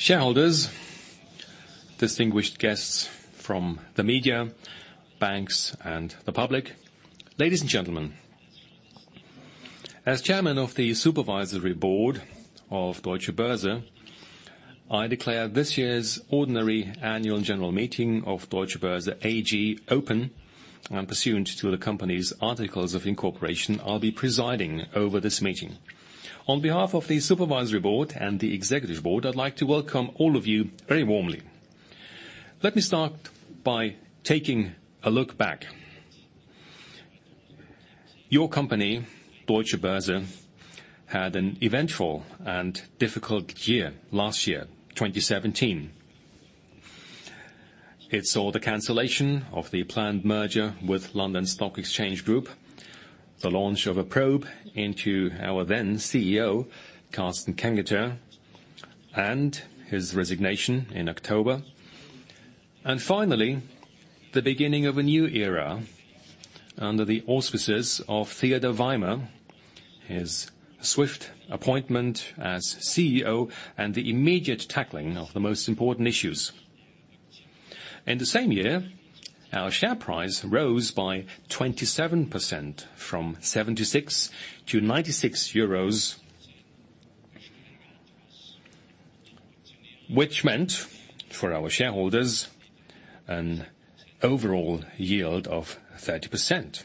Shareholders, distinguished guests from the media, banks, and the public, ladies and gentlemen. As chairman of the supervisory board of Deutsche Börse, I declare this year's ordinary annual general meeting of Deutsche Börse AG open, and pursuant to the company's articles of incorporation, I'll be presiding over this meeting. On behalf of the supervisory board and the executive board, I'd like to welcome all of you very warmly. Let me start by taking a look back. Your company, Deutsche Börse, had an eventful and difficult year last year, 2017. It saw the cancellation of the planned merger with London Stock Exchange Group, the launch of a probe into our then CEO, Carsten Kengeter, and his resignation in October. Finally, the beginning of a new era under the auspices of Theodor Weimer, his swift appointment as CEO, and the immediate tackling of the most important issues. In the same year, our share price rose by 27%, from 76 to 96 euros, which meant for our shareholders an overall yield of 30%.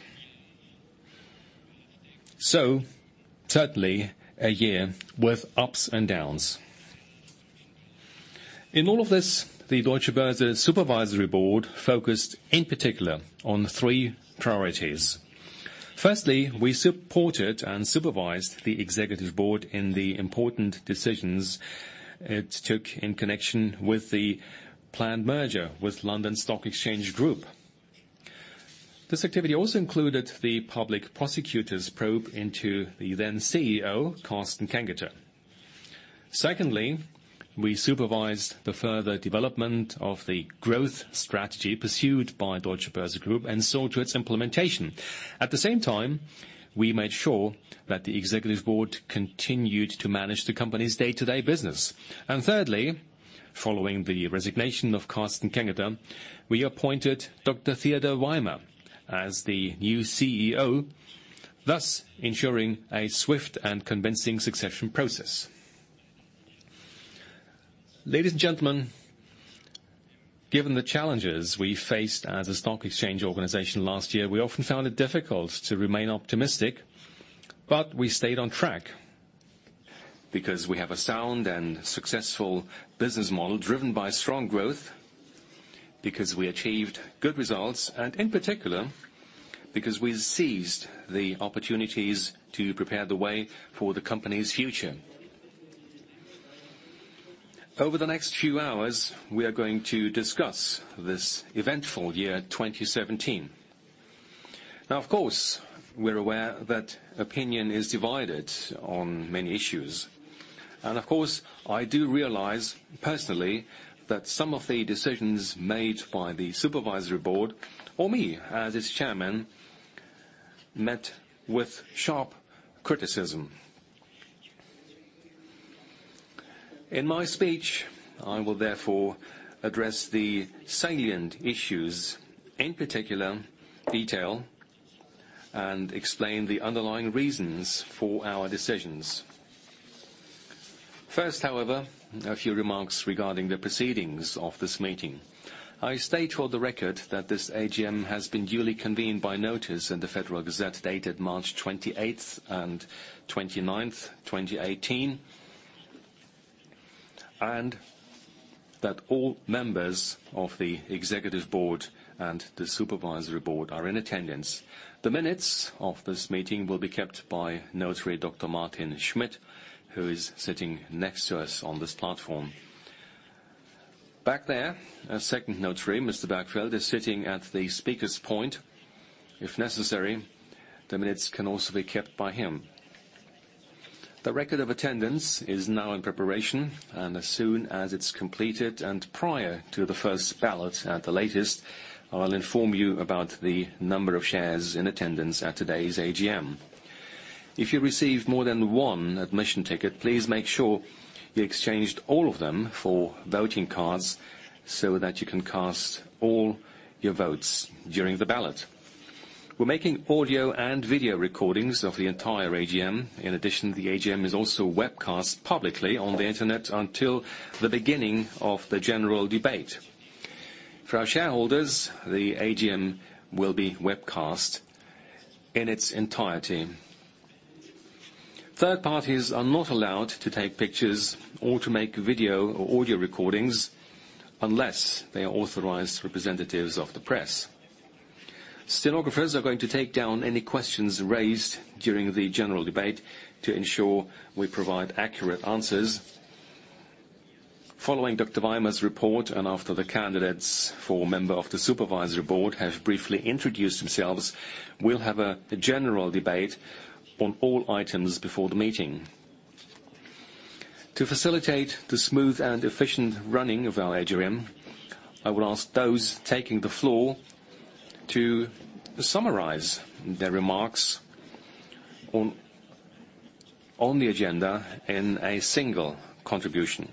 Certainly, a year with ups and downs. In all of this, the Deutsche Börse supervisory board focused in particular on three priorities. Firstly, we supported and supervised the executive board in the important decisions it took in connection with the planned merger with London Stock Exchange Group. This activity also included the public prosecutor's probe into the then CEO, Carsten Kengeter. Secondly, we supervised the further development of the growth strategy pursued by Deutsche Börse Group and saw to its implementation. At the same time, we made sure that the executive board continued to manage the company's day-to-day business. Thirdly, following the resignation of Carsten Kengeter, we appointed Dr. Theodor Weimer as the new CEO, thus ensuring a swift and convincing succession process. Ladies and gentlemen, given the challenges we faced as a stock exchange organization last year, we often found it difficult to remain optimistic, but we stayed on track. Because we have a sound and successful business model driven by strong growth, because we achieved good results, and in particular, because we seized the opportunities to prepare the way for the company's future. Over the next few hours, we are going to discuss this eventful year, 2017. Now, of course, we're aware that opinion is divided on many issues. Of course, I do realize personally that some of the decisions made by the supervisory board, or me as its chairman, met with sharp criticism. In my speech, I will therefore address the salient issues, in particular detail, and explain the underlying reasons for our decisions. First, however, a few remarks regarding the proceedings of this meeting. I state for the record that this AGM has been duly convened by notice in the Federal Gazette, dated March 28th and 29th, 2018, and that all members of the executive board and the supervisory board are in attendance. The minutes of this meeting will be kept by Notary Dr. Martin Schmidt, who is sitting next to us on this platform. Back there, a second notary, Mr. Bergfeld, is sitting at the speaker's point. If necessary, the minutes can also be kept by him. The record of attendance is now in preparation, and as soon as it's completed, and prior to the first ballot at the latest, I'll inform you about the number of shares in attendance at today's AGM. If you received more than one admission ticket, please make sure you exchanged all of them for voting cards so that you can cast all your votes during the ballot. We're making audio and video recordings of the entire AGM. In addition, the AGM is also webcast publicly on the internet until the beginning of the general debate. For our shareholders, the AGM will be webcast in its entirety. Third parties are not allowed to take pictures or to make video or audio recordings unless they are authorized representatives of the press. Stenographers are going to take down any questions raised during the general debate to ensure we provide accurate answers. Following Weimer's report and after the candidates for member of the supervisory board have briefly introduced themselves, we'll have a general debate on all items before the meeting. To facilitate the smooth and efficient running of our AGM, I will ask those taking the floor to summarize their remarks on the agenda in a single contribution.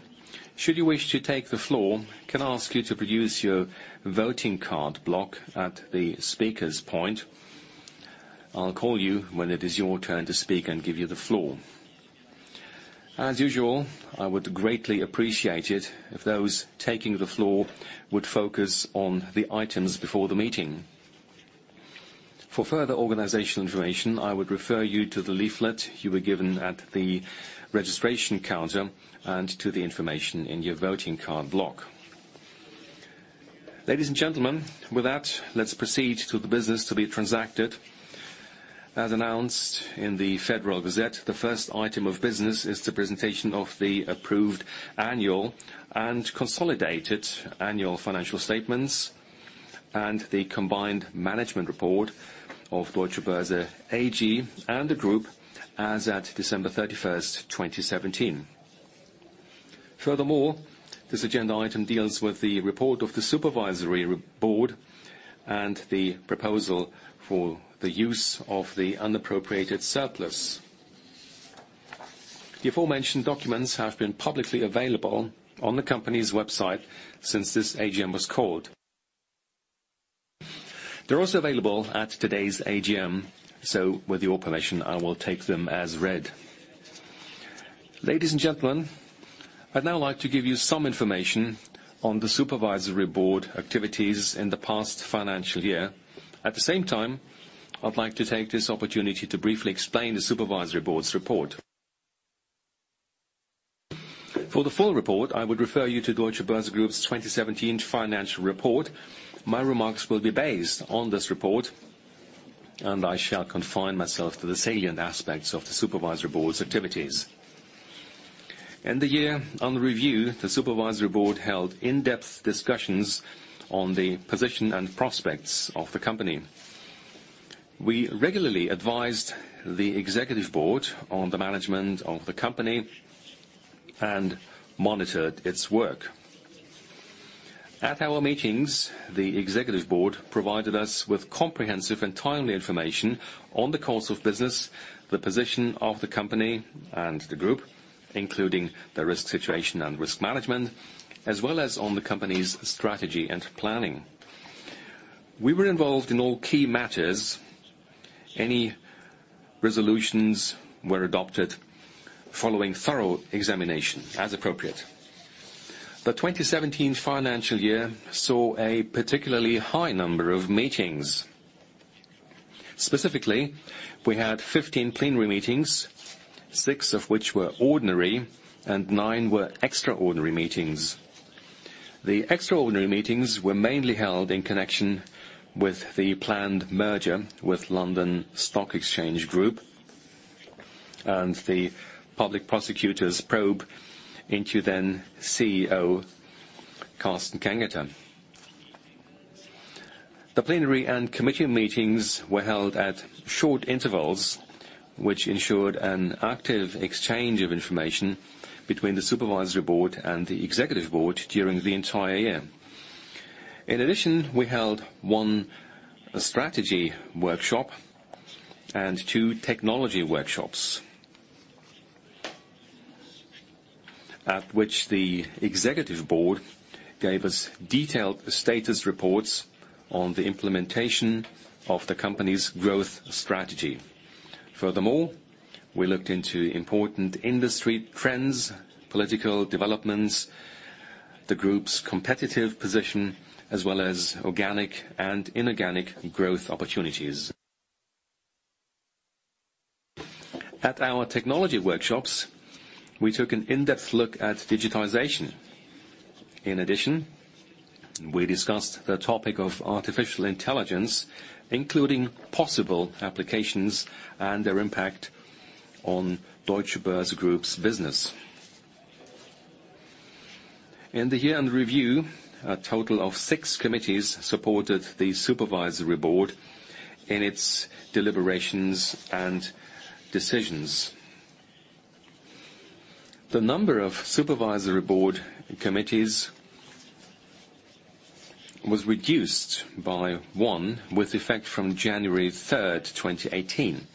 Should you wish to take the floor, can I ask you to produce your voting card block at the speaker's point? I'll call you when it is your turn to speak and give you the floor. As usual, I would greatly appreciate it if those taking the floor would focus on the items before the meeting. For further organizational information, I would refer you to the leaflet you were given at the registration counter and to the information in your voting card block. Ladies and gentlemen, with that, let's proceed to the business to be transacted. As announced in the Federal Gazette, the first item of business is the presentation of the approved annual and consolidated annual financial statements and the combined management report of Deutsche Börse AG and the group as at December 31st, 2017. This agenda item deals with the report of the supervisory board and the proposal for the use of the unappropriated surplus. The aforementioned documents have been publicly available on the company's website since this AGM was called. They're also available at today's AGM. With your permission, I will take them as read. Ladies and gentlemen, I'd now like to give you some information on the supervisory board activities in the past financial year. At the same time, I'd like to take this opportunity to briefly explain the supervisory board's report. For the full report, I would refer you to Deutsche Börse Group's 2017 financial report. My remarks will be based on this report, and I shall confine myself to the salient aspects of the supervisory board's activities. In the year on review, the supervisory board held in-depth discussions on the position and prospects of the company. We regularly advised the executive board on the management of the company and monitored its work. At our meetings, the executive board provided us with comprehensive and timely information on the course of business, the position of the company and the group, including the risk situation and risk management, as well as on the company's strategy and planning. We were involved in all key matters. Any resolutions were adopted following thorough examination as appropriate. The 2017 financial year saw a particularly high number of meetings. Specifically, we had 15 plenary meetings, six of which were ordinary and nine were extraordinary meetings. The extraordinary meetings were mainly held in connection with the planned merger with London Stock Exchange Group and the public prosecutor's probe into then CEO Carsten Kengeter. The Plenary and committee meetings were held at short intervals, which ensured an active exchange of information between the Supervisory Board and the Executive Board during the entire year. In addition, we held one strategy workshop and two technology workshops, at which the Executive Board gave us detailed status reports on the implementation of the company's growth strategy. Furthermore, we looked into important industry trends, political developments, the Group's competitive position, as well as organic and inorganic growth opportunities. At our technology workshops, we took an in-depth look at artificial intelligence. In addition, we discussed the topic of artificial intelligence, including possible applications and their impact on Deutsche Börse Group's business. In the year on review, a total of six committees supported the Supervisory Board in its deliberations and decisions. The number of Supervisory Board committees was reduced by one with effect from January 3rd, 2018.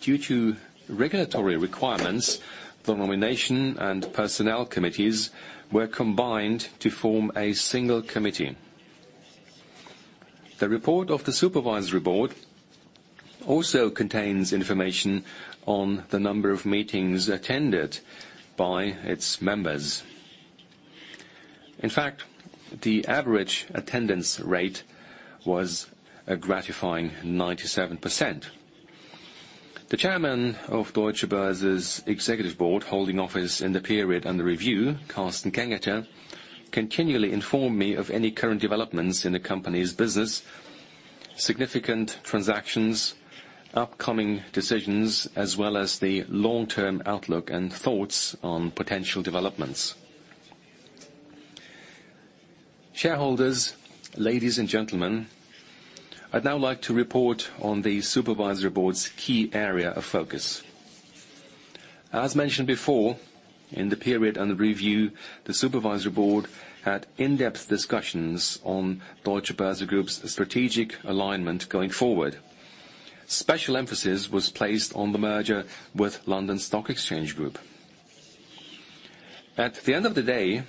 Due to regulatory requirements, the Nomination and Personnel Committees were combined to form a single committee. The report of the Supervisory Board also contains information on the number of meetings attended by its members. In fact, the average attendance rate was a gratifying 97%. The Chairman of Deutsche Börse's Executive Board holding office in the period under review, Carsten Kengeter, continually informed me of any current developments in the company's business, significant transactions, upcoming decisions, as well as the long-term outlook and thoughts on potential developments. Shareholders, ladies and gentlemen, I'd now like to report on the Supervisory Board's key area of focus. As mentioned before, in the period under review, the Supervisory Board had in-depth discussions on Deutsche Börse Group's strategic alignment going forward. Special emphasis was placed on the merger with London Stock Exchange Group. At the end of the day,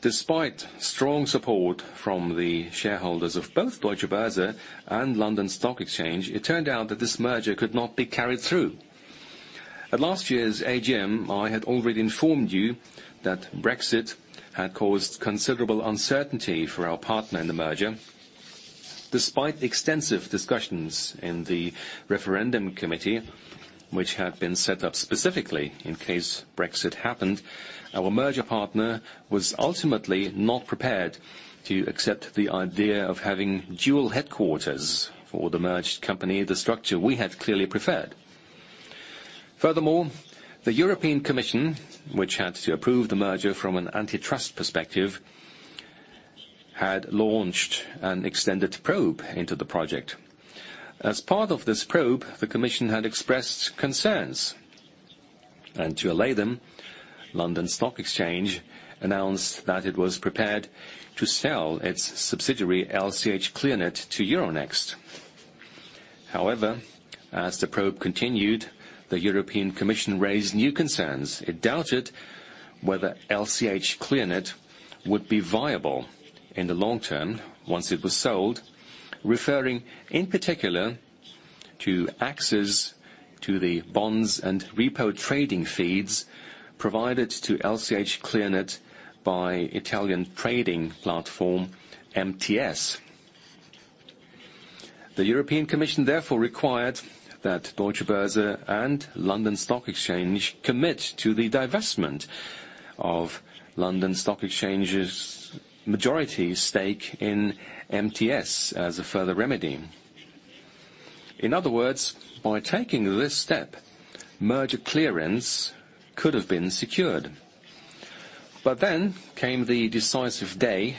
despite strong support from the shareholders of both Deutsche Börse and London Stock Exchange, it turned out that this merger could not be carried through. At last year's AGM, I had already informed you that Brexit had caused considerable uncertainty for our partner in the merger. Despite extensive discussions in the referendum committee, which had been set up specifically in case Brexit happened, our merger partner was ultimately not prepared to accept the idea of having dual headquarters for the merged company, the structure we had clearly preferred. Furthermore, the European Commission, which had to approve the merger from an antitrust perspective, had launched an extended probe into the project. As part of this probe, the Commission had expressed concerns, and to allay them, London Stock Exchange announced that it was prepared to sell its subsidiary, LCH.Clearnet, to Euronext. As the probe continued, the European Commission raised new concerns. It doubted whether LCH.Clearnet would be viable in the long term once it was sold, referring in particular to access to the bonds and repo trading feeds provided to LCH.Clearnet by Italian trading platform, MTS. The European Commission therefore required that Deutsche Börse and London Stock Exchange commit to the divestment of London Stock Exchange's majority stake in MTS as a further remedy. In other words, by taking this step, merger clearance could've been secured. Came the decisive day,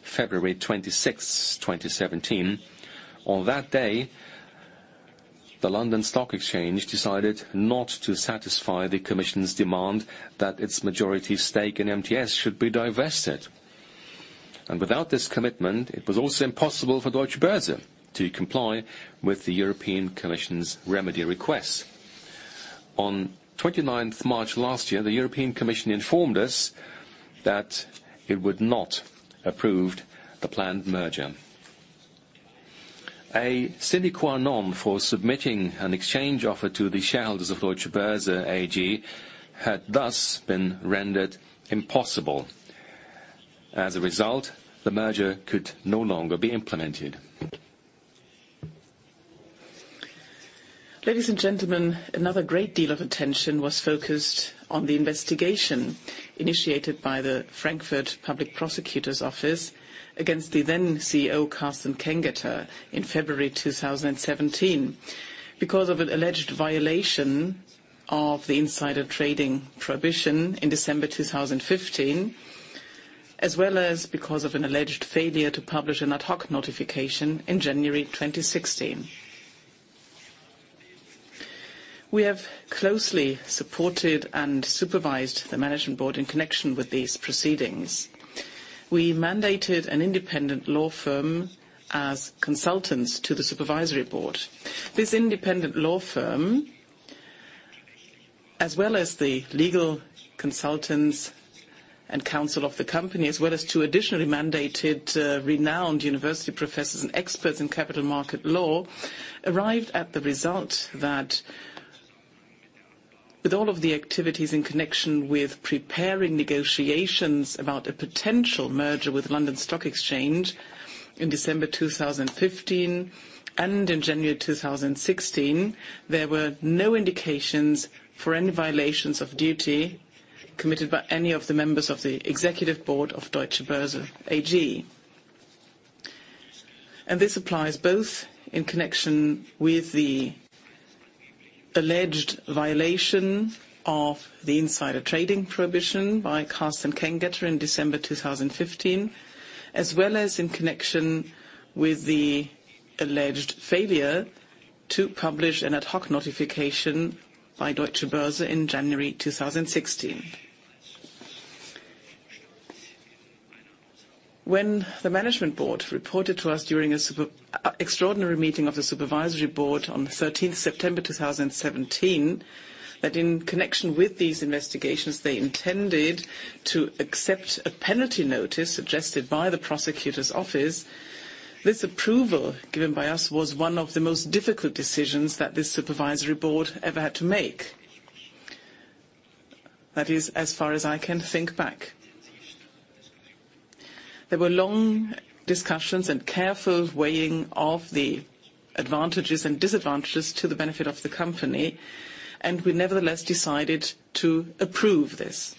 February 26th, 2017. On that day, the London Stock Exchange decided not to satisfy the Commission's demand that its majority stake in MTS should be divested. Without this commitment, it was also impossible for Deutsche Börse to comply with the European Commission's remedy request. On 29th March last year, the European Commission informed us that it would not approve the planned merger. A sine qua non for submitting an exchange offer to the shareholders of Deutsche Börse AG had thus been rendered impossible. As a result, the merger could no longer be implemented. Ladies and gentlemen, another great deal of attention was focused on the investigation initiated by the Frankfurt Public Prosecutor's Office against the then CEO, Carsten Kengeter, in February 2017 because of an alleged violation of the insider trading prohibition in December 2015, as well as because of an alleged failure to publish an ad hoc notification in January 2016. We have closely supported and supervised the management board in connection with these proceedings. We mandated an independent law firm as consultants to the supervisory board. This independent law firm, as well as the legal consultants and counsel of the company, as well as two additionally mandated, renowned university professors and experts in capital market law, arrived at the result that with all of the activities in connection with preparing negotiations about a potential merger with London Stock Exchange in December 2015 and in January 2016, there were no indications for any violations of duty committed by any of the members of the executive board of Deutsche Börse AG. This applies both in connection with the alleged violation of the insider trading prohibition by Carsten Kengeter in December 2015, as well as in connection with the alleged failure to publish an ad hoc notification by Deutsche Börse in January 2016. When the management board reported to us during an extraordinary meeting of the supervisory board on the 13th September 2017, that in connection with these investigations, they intended to accept a penalty notice suggested by the prosecutor's office. This approval given by us was one of the most difficult decisions that this supervisory board ever had to make. That is, as far as I can think back. There were long discussions and careful weighing of the advantages and disadvantages to the benefit of the company, we nevertheless decided to approve this.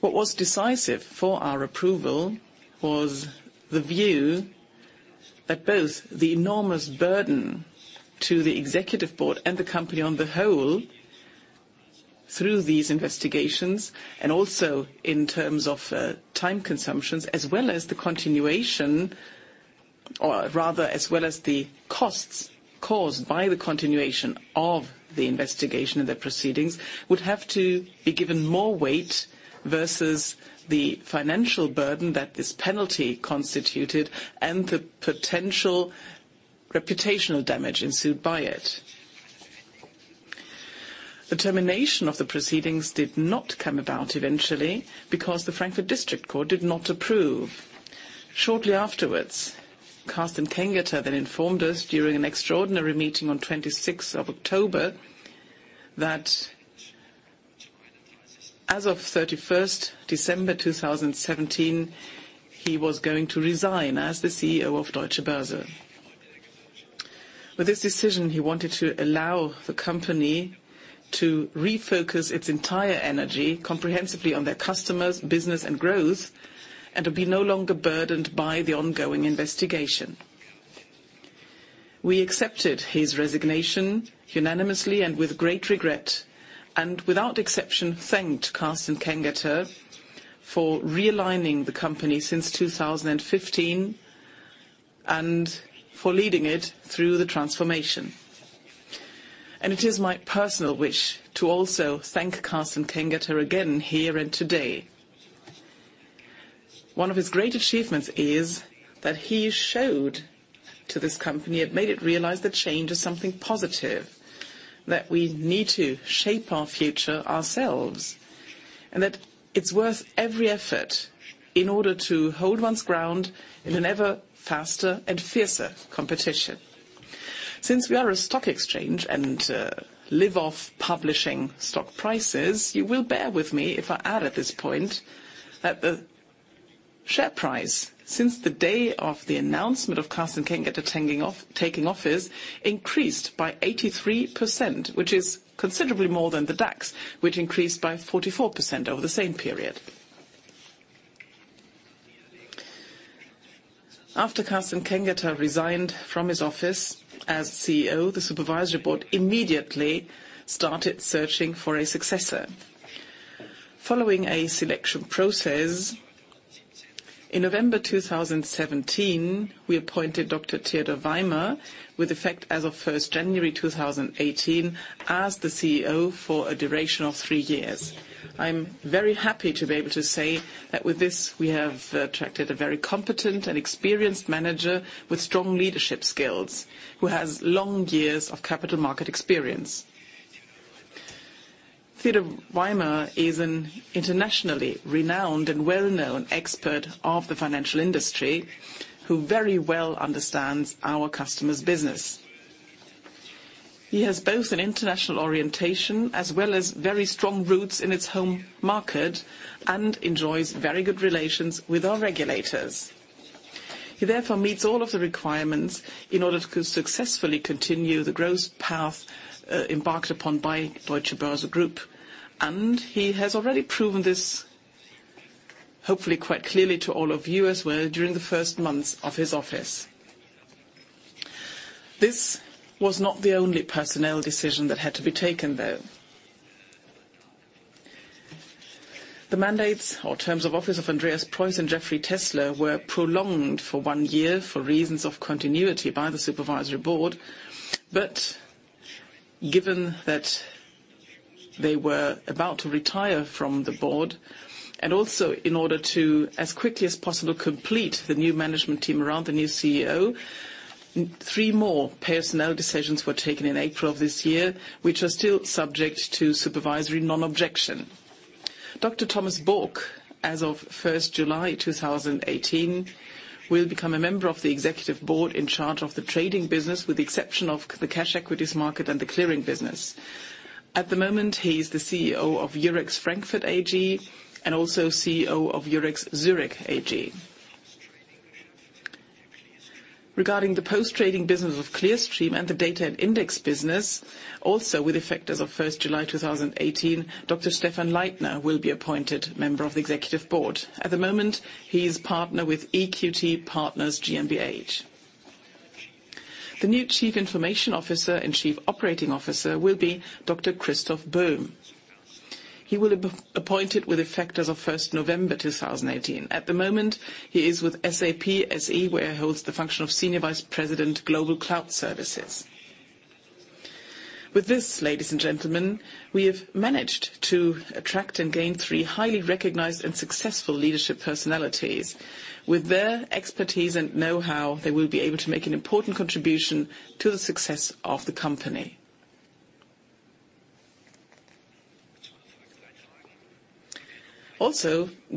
What was decisive for our approval was the view that both the enormous burden to the Executive Board and the company on the whole through these investigations, and also in terms of time consumptions, as well as the continuation, or rather, as well as the costs caused by the continuation of the investigation and the proceedings, would have to be given more weight versus the financial burden that this penalty constituted and the potential reputational damage ensued by it. The termination of the proceedings did not come about eventually because the Frankfurt District Court did not approve. Shortly afterwards, Carsten Kengeter then informed us during an extraordinary meeting on 26th of October that as of 31st December 2017, he was going to resign as the CEO of Deutsche Börse. With this decision, he wanted to allow the company to refocus its entire energy comprehensively on their customers, business, and growth, and to be no longer burdened by the ongoing investigation. We accepted his resignation unanimously and with great regret, and without exception, thanked Carsten Kengeter for realigning the company since 2015 and for leading it through the transformation. It is my personal wish to also thank Carsten Kengeter again here and today. One of his great achievements is that he showed to this company and made it realize that change is something positive, that we need to shape our future ourselves, and that it's worth every effort in order to hold one's ground in an ever faster and fiercer competition. Since we are a stock exchange and live off publishing stock prices, you will bear with me if I add at this point that the share price since the day of the announcement of Carsten Kengeter taking office increased by 83%, which is considerably more than the DAX, which increased by 44% over the same period. After Carsten Kengeter resigned from his office as CEO, the Supervisory Board immediately started searching for a successor. Following a selection process in November 2017, we appointed Dr. Theodor Weimer with effect as of 1st January 2018 as the CEO for a duration of three years. I'm very happy to be able to say that with this, we have attracted a very competent and experienced manager with strong leadership skills, who has long years of capital market experience. Theodor Weimer is an internationally renowned and well-known expert of the financial industry who very well understands our customers' business. He has both an international orientation, as well as very strong roots in its home market and enjoys very good relations with our regulators. He therefore meets all of the requirements in order to successfully continue the growth path embarked upon by Deutsche Börse Group. He has already proven this, hopefully quite clearly to all of you as well during the first months of his office. This was not the only personnel decision that had to be taken, though. The mandates or terms of office of Andreas Preuss and Jeffrey Tessler were prolonged for one year for reasons of continuity by the Supervisory Board. Given that they were about to retire from the Board, and also in order to, as quickly as possible, complete the new Management Team around the new CEO, 3 more personnel decisions were taken in April of this year, which are still subject to supervisory non-objection. Dr. Thomas Book, as of 1st July 2018, will become a member of the Executive Board in charge of the trading business, with the exception of the cash equities market and the clearing business. At the moment, he is the CEO of Eurex Frankfurt AG and also CEO of Eurex Zürich AG. Regarding the post-trading business of Clearstream and the data and index business, also with effect as of 1st July 2018, Dr. Stephan Leithner will be appointed member of the Executive Board. At the moment, he is partner with EQT Partners GmbH. The new Chief Information Officer and Chief Operating Officer will be Dr. Christoph Böhm. He will be appointed with effect as of 1st November 2018. At the moment, he is with SAP SE where he holds the function of Senior Vice President, Global Cloud Services. This, ladies and gentlemen, we have managed to attract and gain 3 highly recognized and successful leadership personalities. Their expertise and know-how, they will be able to make an important contribution to the success of the company.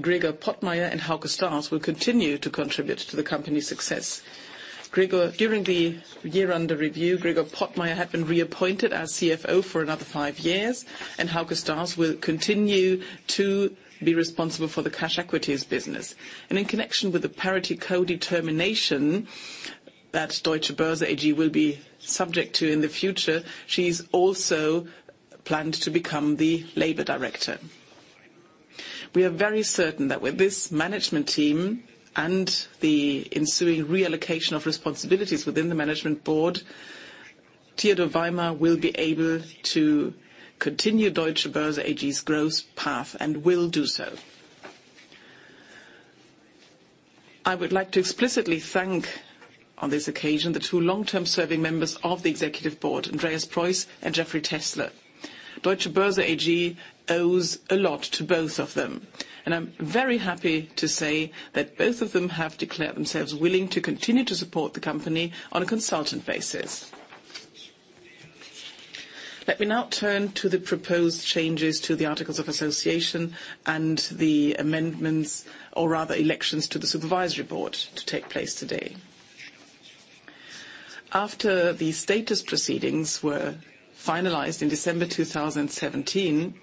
Gregor Pottmeyer and Hauke Stars will continue to contribute to the company's success. During the year under review, Gregor Pottmeyer had been reappointed as CFO for another 5 years, and Hauke Stars will continue to be responsible for the cash equities business. In connection with the parity codetermination that Deutsche Börse AG will be subject to in the future, she's also planned to become the Labor Director. We are very certain that with this Management Team and the ensuing reallocation of responsibilities within the Management Board, Theodor Weimer will be able to continue Deutsche Börse AG's growth path, and will do so. I would like to explicitly thank, on this occasion, the 2 long-term serving members of the Executive Board, Andreas Preuss and Jeffrey Tessler. Deutsche Börse AG owes a lot to both of them, and I'm very happy to say that both of them have declared themselves willing to continue to support the company on a consultant basis. Let me now turn to the proposed changes to the articles of association and the amendments, or rather elections, to the Supervisory Board to take place today. After the status proceedings were finalized in December 2017,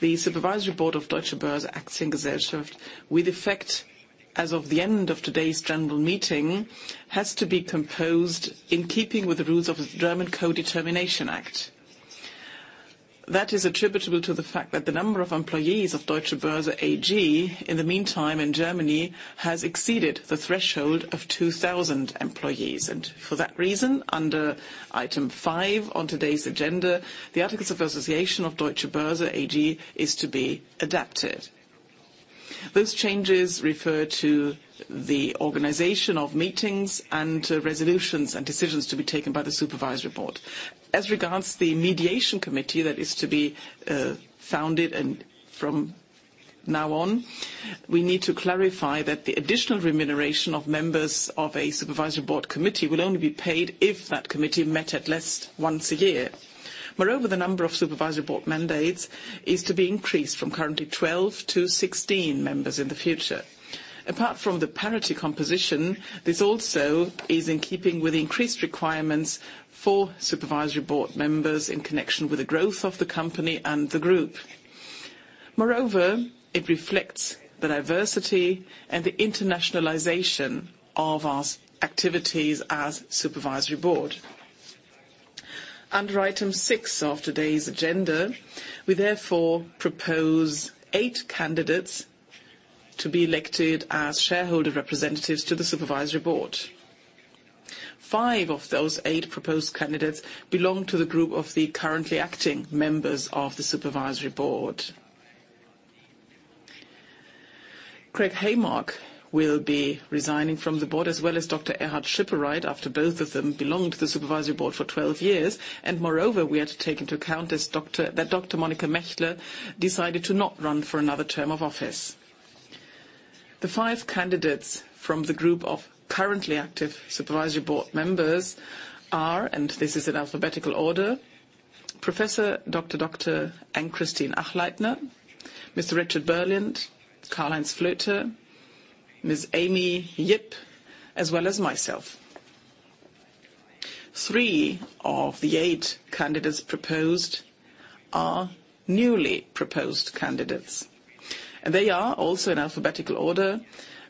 the Supervisory Board of Deutsche Börse Aktiengesellschaft, with effect as of the end of today's general meeting, has to be composed in keeping with the rules of the German Codetermination Act. That is attributable to the fact that the number of employees of Deutsche Börse AG, in the meantime in Germany, has exceeded the threshold of 2,000 employees. For that reason, under item 5 on today's agenda, the articles of association of Deutsche Börse AG is to be adapted. Those changes refer to the organization of meetings and resolutions and decisions to be taken by the Supervisory Board. As regards the mediation committee that is to be founded and from now on, we need to clarify that the additional remuneration of members of a Supervisory Board Committee will only be paid if that committee met at least once a year. Moreover, the number of supervisory board mandates is to be increased from currently 12 to 16 members in the future. Apart from the parity composition, this also is in keeping with increased requirements for supervisory board members in connection with the growth of the company and the group. Moreover, it reflects the diversity and the internationalization of our activities as supervisory board. Under item six of today's agenda, we therefore propose eight candidates to be elected as shareholder representatives to the supervisory board. Five of those eight proposed candidates belong to the group of the currently acting members of the supervisory board. Craig Heimark will be resigning from the board, as well as Dr. Erhard Schipporeit, after both of them belonged to the supervisory board for 12 years. Moreover, we had to take into account that Dr. Monica Mächler decided to not run for another term of office. The five candidates from the group of currently active supervisory board members are, and this is in alphabetical order, Professor Dr. Dr. Ann-Kristin Achleitner, Mr. Richard Berliand, Karl-Heinz Flöther, Ms. Amy Yip, as well as myself. Three of the eight candidates proposed are newly proposed candidates, and they are, also in alphabetical order,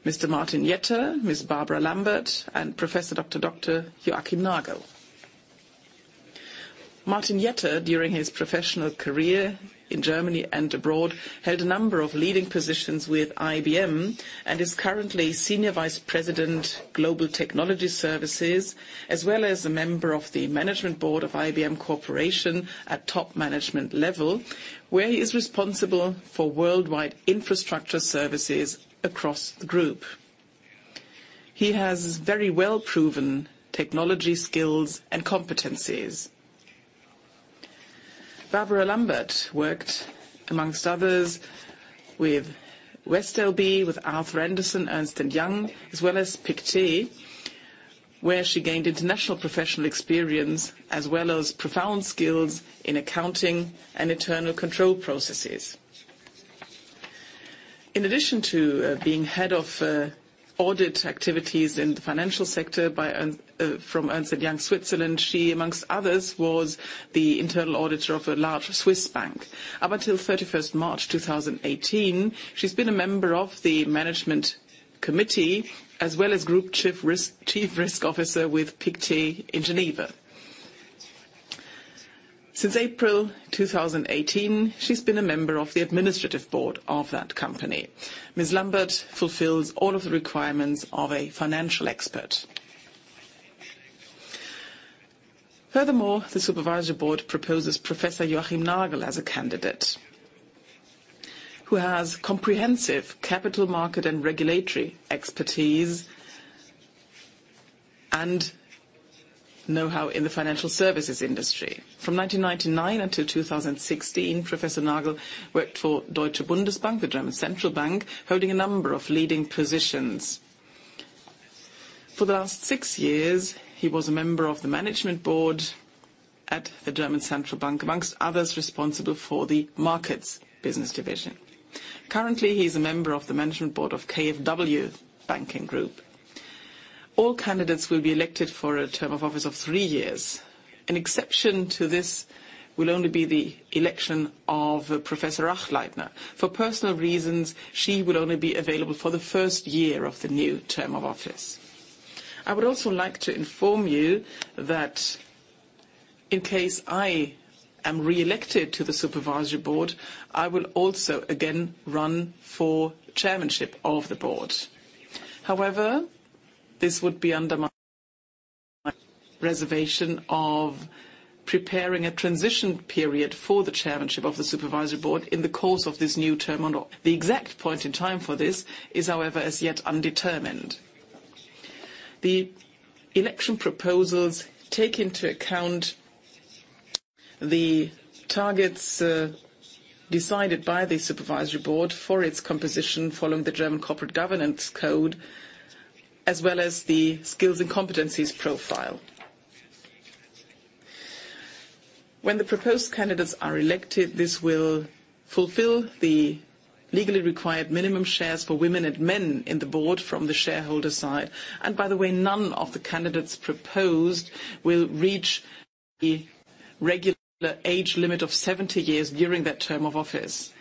Mr. Martin Jetter, Ms. Barbara Lambert, and Professor Dr. Dr. Joachim Nagel. Martin Jetter, during his professional career in Germany and abroad, held a number of leading positions with IBM and is currently Senior Vice President Global Technology Services, as well as a member of the management board of IBM Corporation at top management level, where he is responsible for worldwide infrastructure services across the group. He has very well-proven technology skills and competencies. Barbara Lambert worked, amongst others, with WestLB, with Arthur Andersen, Ernst & Young, as well as Pictet, where she gained international professional experience as well as profound skills in accounting and internal control processes. In addition to being head of audit activities in the financial sector from Ernst & Young AG, she, amongst others, was the internal auditor of a large Swiss bank. Up until 31st March 2018, she's been a member of the management committee as well as group chief risk officer with Pictet in Geneva. Since April 2018, she's been a member of the administrative board of that company. Ms. Lambert fulfills all of the requirements of a financial expert. Furthermore, the supervisory board proposes Professor Joachim Nagel as a candidate, who has comprehensive capital market and regulatory expertise and know-how in the financial services industry. From 1999 until 2016, Professor Nagel worked for Deutsche Bundesbank, the German Central Bank, holding a number of leading positions. For the last six years, he was a member of the management board at the German Central Bank, amongst others responsible for the markets business division. Currently, he's a member of the management board of KfW Banking Group. All candidates will be elected for a term of office of three years. An exception to this will only be the election of Professor Achleitner. For personal reasons, she will only be available for the first year of the new term of office. I would also like to inform you that. In case I am reelected to the Supervisory Board, I will also again run for chairmanship of the board. However, this would be under my reservation of preparing a transition period for the chairmanship of the Supervisory Board in the course of this new term. The exact point in time for this is, however, as yet undetermined. The election proposals take into account the targets decided by the Supervisory Board for its composition following the German Corporate Governance Code, as well as the skills and competencies profile. When the proposed candidates are elected, this will fulfill the legally required minimum shares for women and men in the board from the shareholder side. None of the candidates proposed will reach the regular age limit of 70 years during that term of office.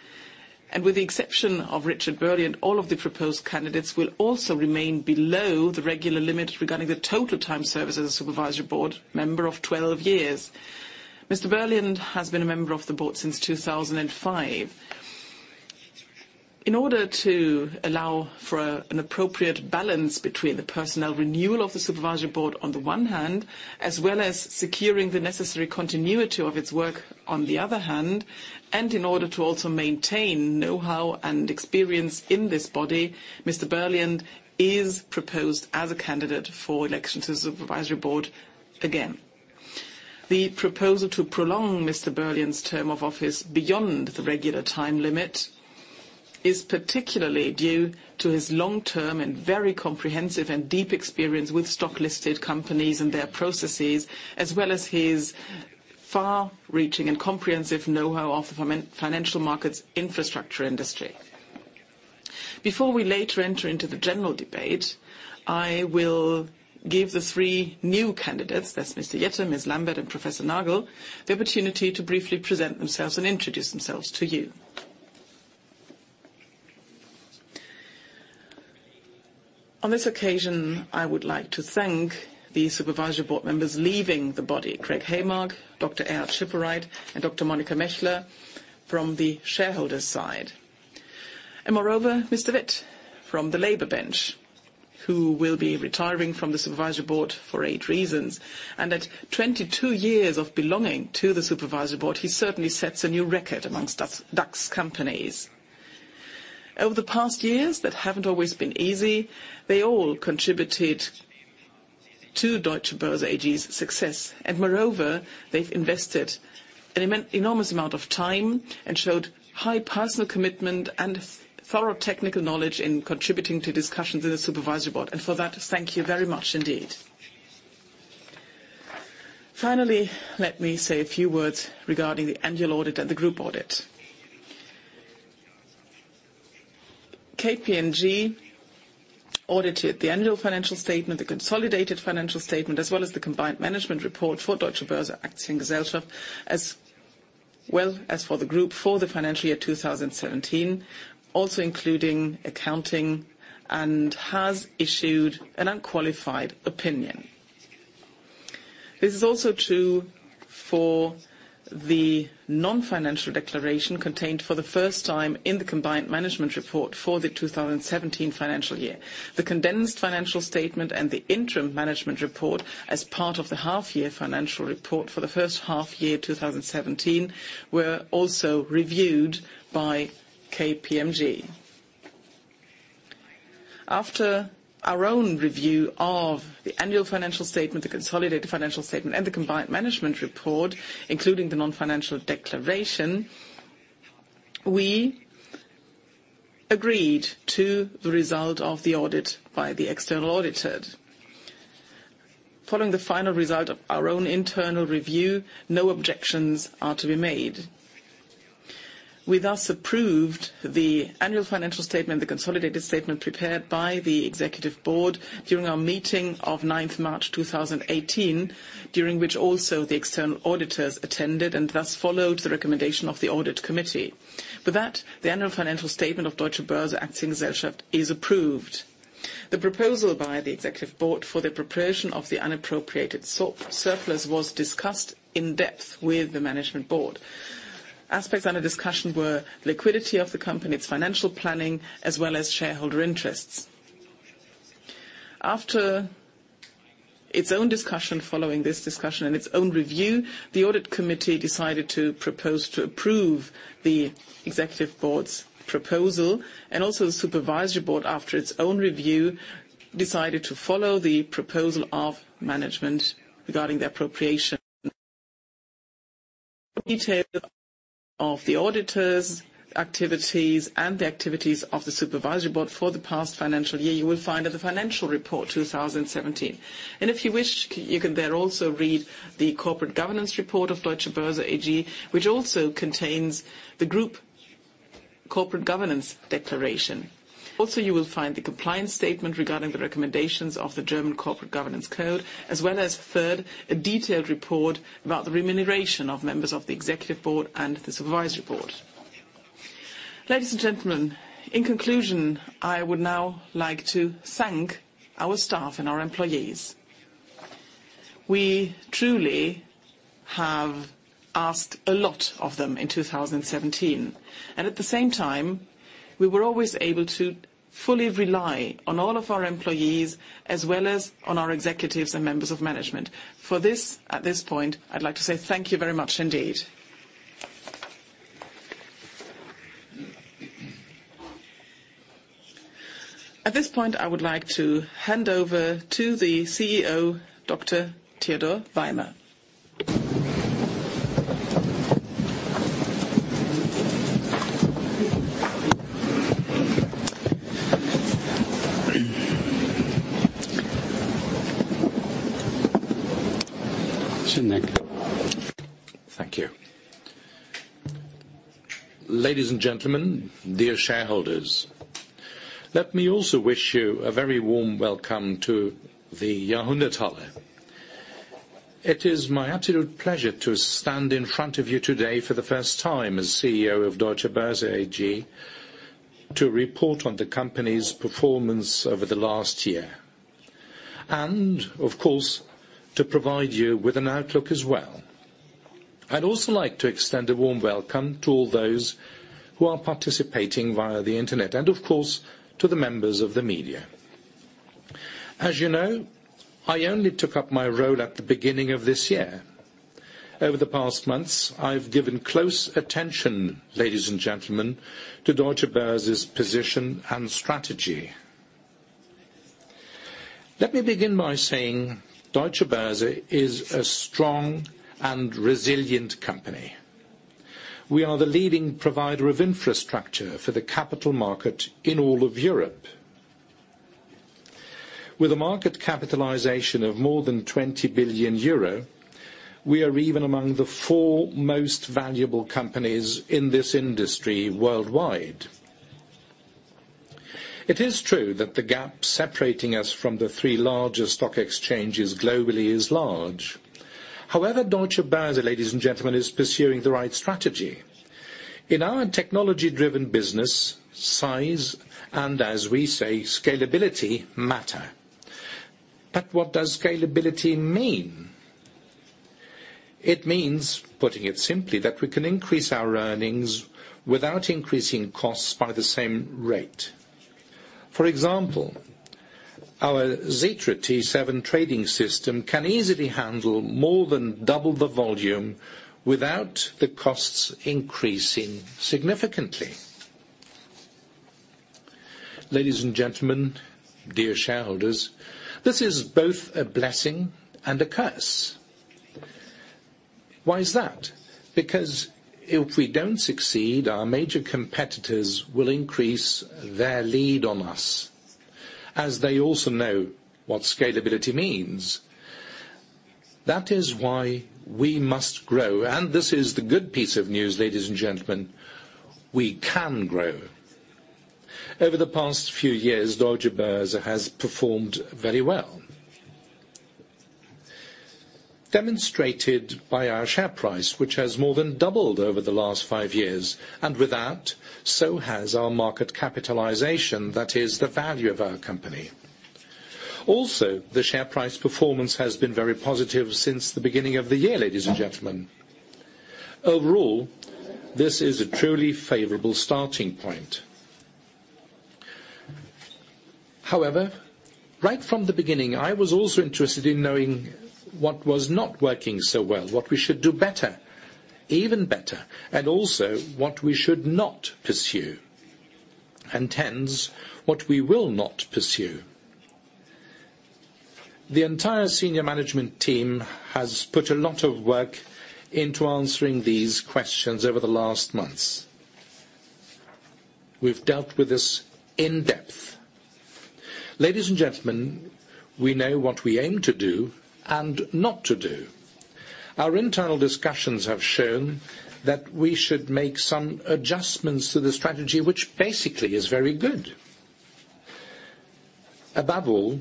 With the exception of Richard Berliand, all of the proposed candidates will also remain below the regular limit regarding the total time served as a Supervisory Board member of 12 years. Mr. Berliand has been a member of the board since 2005. In order to allow for an appropriate balance between the personnel renewal of the Supervisory Board on the one hand, as well as securing the necessary continuity of its work on the other hand, and in order to also maintain know-how and experience in this body, Mr. Berliand is proposed as a candidate for election to the Supervisory Board again. The proposal to prolong Mr. Berliand's term of office beyond the regular time limit is particularly due to his long-term and very comprehensive and deep experience with stock-listed companies and their processes, as well as his far-reaching and comprehensive know-how of the financial markets infrastructure industry. Before we later enter into the general debate, I will give the three new candidates, that's Mr. Jetter, Ms. Lambert, and Professor Nagel, the opportunity to briefly present themselves and introduce themselves to you. On this occasion, I would like to thank the Supervisory Board members leaving the body, Craig Heimark, Dr. Erhard Schipporeit, and Dr. Monika Mächler from the shareholder side. Moreover, Mr. Witt from the labor bench, who will be retiring from the Supervisory Board for age reasons. At 22 years of belonging to the Supervisory Board, he certainly sets a new record amongst DAX companies. Over the past years, that haven't always been easy, they all contributed to Deutsche Börse AG's success. Moreover, they've invested an enormous amount of time and showed high personal commitment and thorough technical knowledge in contributing to discussions in the Supervisory Board. For that, thank you very much indeed. Finally, let me say a few words regarding the annual audit and the group audit. KPMG audited the annual financial statement, the consolidated financial statement, as well as the combined management report for Deutsche Börse Aktiengesellschaft, as well as for the group for the financial year 2017, also including accounting, and has issued an unqualified opinion. This is also true for the non-financial declaration contained for the first time in the combined management report for the 2017 financial year. The condensed financial statement and the interim management report as part of the half-year financial report for the first half year 2017, were also reviewed by KPMG. After our own review of the annual financial statement, the consolidated financial statement, and the combined management report, including the non-financial declaration, we agreed to the result of the audit by the external auditors. Following the final result of our own internal review, no objections are to be made. We thus approved the annual financial statement, the consolidated statement prepared by the Executive Board during our meeting of 9th March 2018, during which also the external auditors attended, and thus followed the recommendation of the Audit Committee. With that, the annual financial statement of Deutsche Börse Aktiengesellschaft is approved. The proposal by the Executive Board for the preparation of the unappropriated surplus was discussed in depth with the Management Board. Aspects under discussion were liquidity of the company, its financial planning, as well as shareholder interests. After its own discussion following this discussion and its own review, the Audit Committee decided to propose to approve the Executive Board's proposal, and also the Supervisory Board, after its own review, decided to follow the proposal of management regarding the appropriation. Details of the auditor's activities and the activities of the Supervisory Board for the past financial year, you will find in the financial report 2017. If you wish, you can there also read the corporate governance report of Deutsche Börse AG, which also contains the Group Corporate Governance Declaration. Also, you will find the compliance statement regarding the recommendations of the German Corporate Governance Code, as well as third, a detailed report about the remuneration of members of the Executive Board and the Supervisory Board. Ladies and gentlemen, in conclusion, I would now like to thank our staff and our employees. We truly have asked a lot of them in 2017. At the same time, we were always able to fully rely on all of our employees as well as on our executives and members of Management. For this, at this point, I'd like to say thank you very much indeed. At this point, I would like to hand over to the CEO, Dr. Theodor Weimer. Thank you. Ladies and gentlemen, dear shareholders, let me also wish you a very warm welcome to the Jahrhunderthalle. It is my absolute pleasure to stand in front of you today for the first time as CEO of Deutsche Börse AG to report on the company's performance over the last year. Of course, to provide you with an outlook as well. I'd also like to extend a warm welcome to all those who are participating via the internet, and of course, to the members of the media. As you know, I only took up my role at the beginning of this year. Over the past months, I've given close attention, ladies and gentlemen, to Deutsche Börse's position and strategy. Let me begin by saying Deutsche Börse is a strong and resilient company. We are the leading provider of infrastructure for the capital market in all of Europe. With a market capitalization of more than 20 billion euro, we are even among the four most valuable companies in this industry worldwide. It is true that the gap separating us from the three largest stock exchanges globally is large. Deutsche Börse, ladies and gentlemen, is pursuing the right strategy. In our technology-driven business, size, and as we say, scalability matter. What does scalability mean? It means, putting it simply, that we can increase our earnings without increasing costs by the same rate. For example, our Xetra T7 trading system can easily handle more than double the volume without the costs increasing significantly. Ladies and gentlemen, dear shareholders, this is both a blessing and a curse. Why is that? If we don't succeed, our major competitors will increase their lead on us, as they also know what scalability means. That is why we must grow, and this is the good piece of news, ladies and gentlemen, we can grow. Over the past few years, Deutsche Börse has performed very well, demonstrated by our share price, which has more than doubled over the last five years, and with that, so has our market capitalization, that is, the value of our company. Also, the share price performance has been very positive since the beginning of the year, ladies and gentlemen. Overall, this is a truly favorable starting point. However, right from the beginning, I was also interested in knowing what was not working so well, what we should do better, even better, and also what we should not pursue. Hence, what we will not pursue. The entire senior management team has put a lot of work into answering these questions over the last months. We've dealt with this in depth. Ladies and gentlemen, we know what we aim to do and not to do. Our internal discussions have shown that we should make some adjustments to the strategy, which basically is very good. Above all,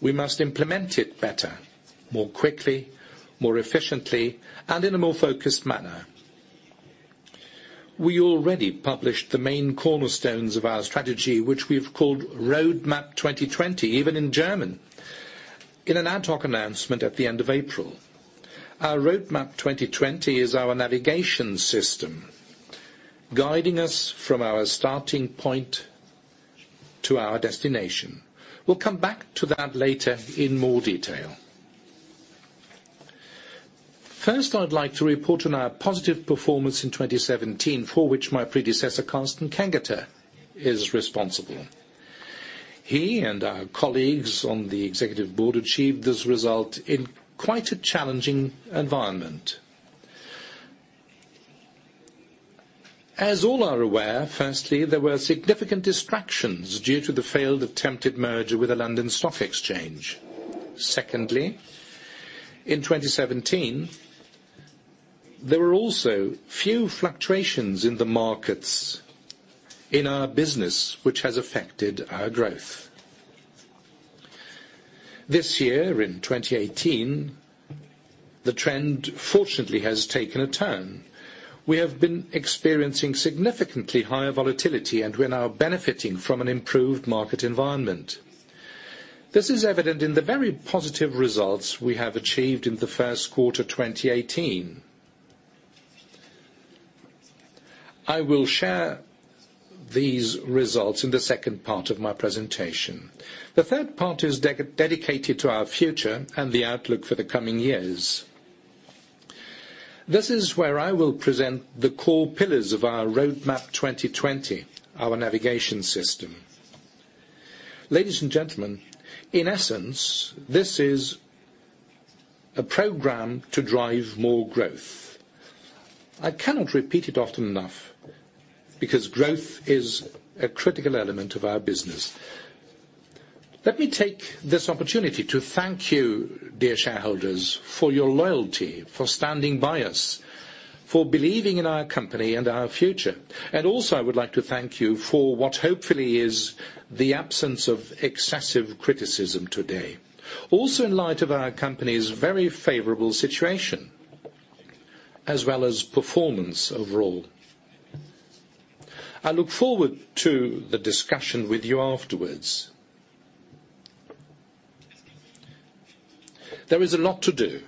we must implement it better, more quickly, more efficiently, and in a more focused manner. We already published the main cornerstones of our strategy, which we've called Roadmap 2020, even in German, in an ad hoc announcement at the end of April. Our Roadmap 2020 is our navigation system, guiding us from our starting point to our destination. We'll come back to that later in more detail. First, I'd like to report on our positive performance in 2017, for which my predecessor, Carsten Kengeter, is responsible. He and our colleagues on the Executive Board achieved this result in quite a challenging environment. As all are aware, firstly, there were significant distractions due to the failed attempted merger with the London Stock Exchange. Secondly, in 2017, there were also few fluctuations in the markets in our business, which has affected our growth. This year, in 2018, the trend fortunately has taken a turn. We have been experiencing significantly higher volatility, and we're now benefiting from an improved market environment. This is evident in the very positive results we have achieved in the first quarter 2018. I will share these results in the second part of my presentation. The third part is dedicated to our future and the outlook for the coming years. This is where I will present the core pillars of our Roadmap 2020, our navigation system. Ladies and gentlemen, in essence, this is a program to drive more growth. I cannot repeat it often enough, because growth is a critical element of our business. Let me take this opportunity to thank you, dear shareholders, for your loyalty, for standing by us, for believing in our company and our future. I would like to thank you for what hopefully is the absence of excessive criticism today. In light of our company's very favorable situation, as well as performance overall. I look forward to the discussion with you afterwards. There is a lot to do.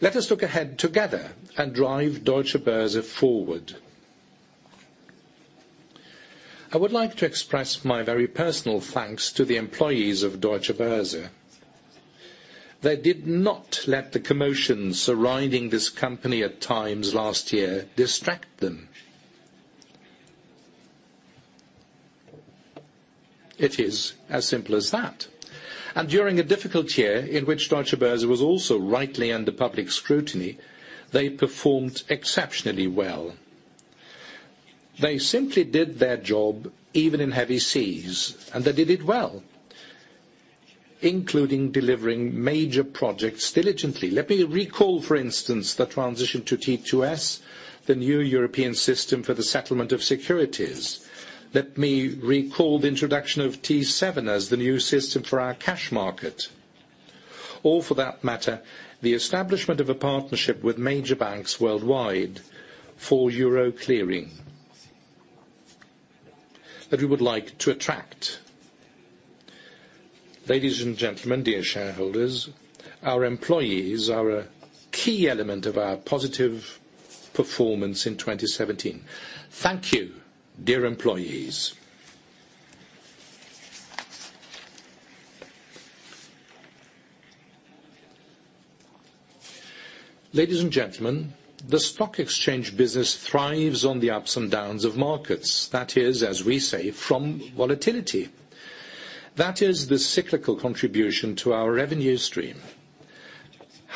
Let us look ahead together and drive Deutsche Börse forward. I would like to express my very personal thanks to the employees of Deutsche Börse. They did not let the commotion surrounding this company at times last year distract them. It is as simple as that. During a difficult year, in which Deutsche Börse was also rightly under public scrutiny, they performed exceptionally well. They simply did their job even in heavy seas, and they did it well, including delivering major projects diligently. Let me recall, for instance, the transition to T2S, the new European system for the settlement of securities. Let me recall the introduction of T7 as the new system for our cash market. Or for that matter, the establishment of a partnership with major banks worldwide for euro clearing, that we would like to attract. Ladies and gentlemen, dear shareholders, our employees are a key element of our positive performance in 2017. Thank you, dear employees. Ladies and gentlemen, the stock exchange business thrives on the ups and downs of markets. That is, as we say, from volatility. That is the cyclical contribution to our revenue stream.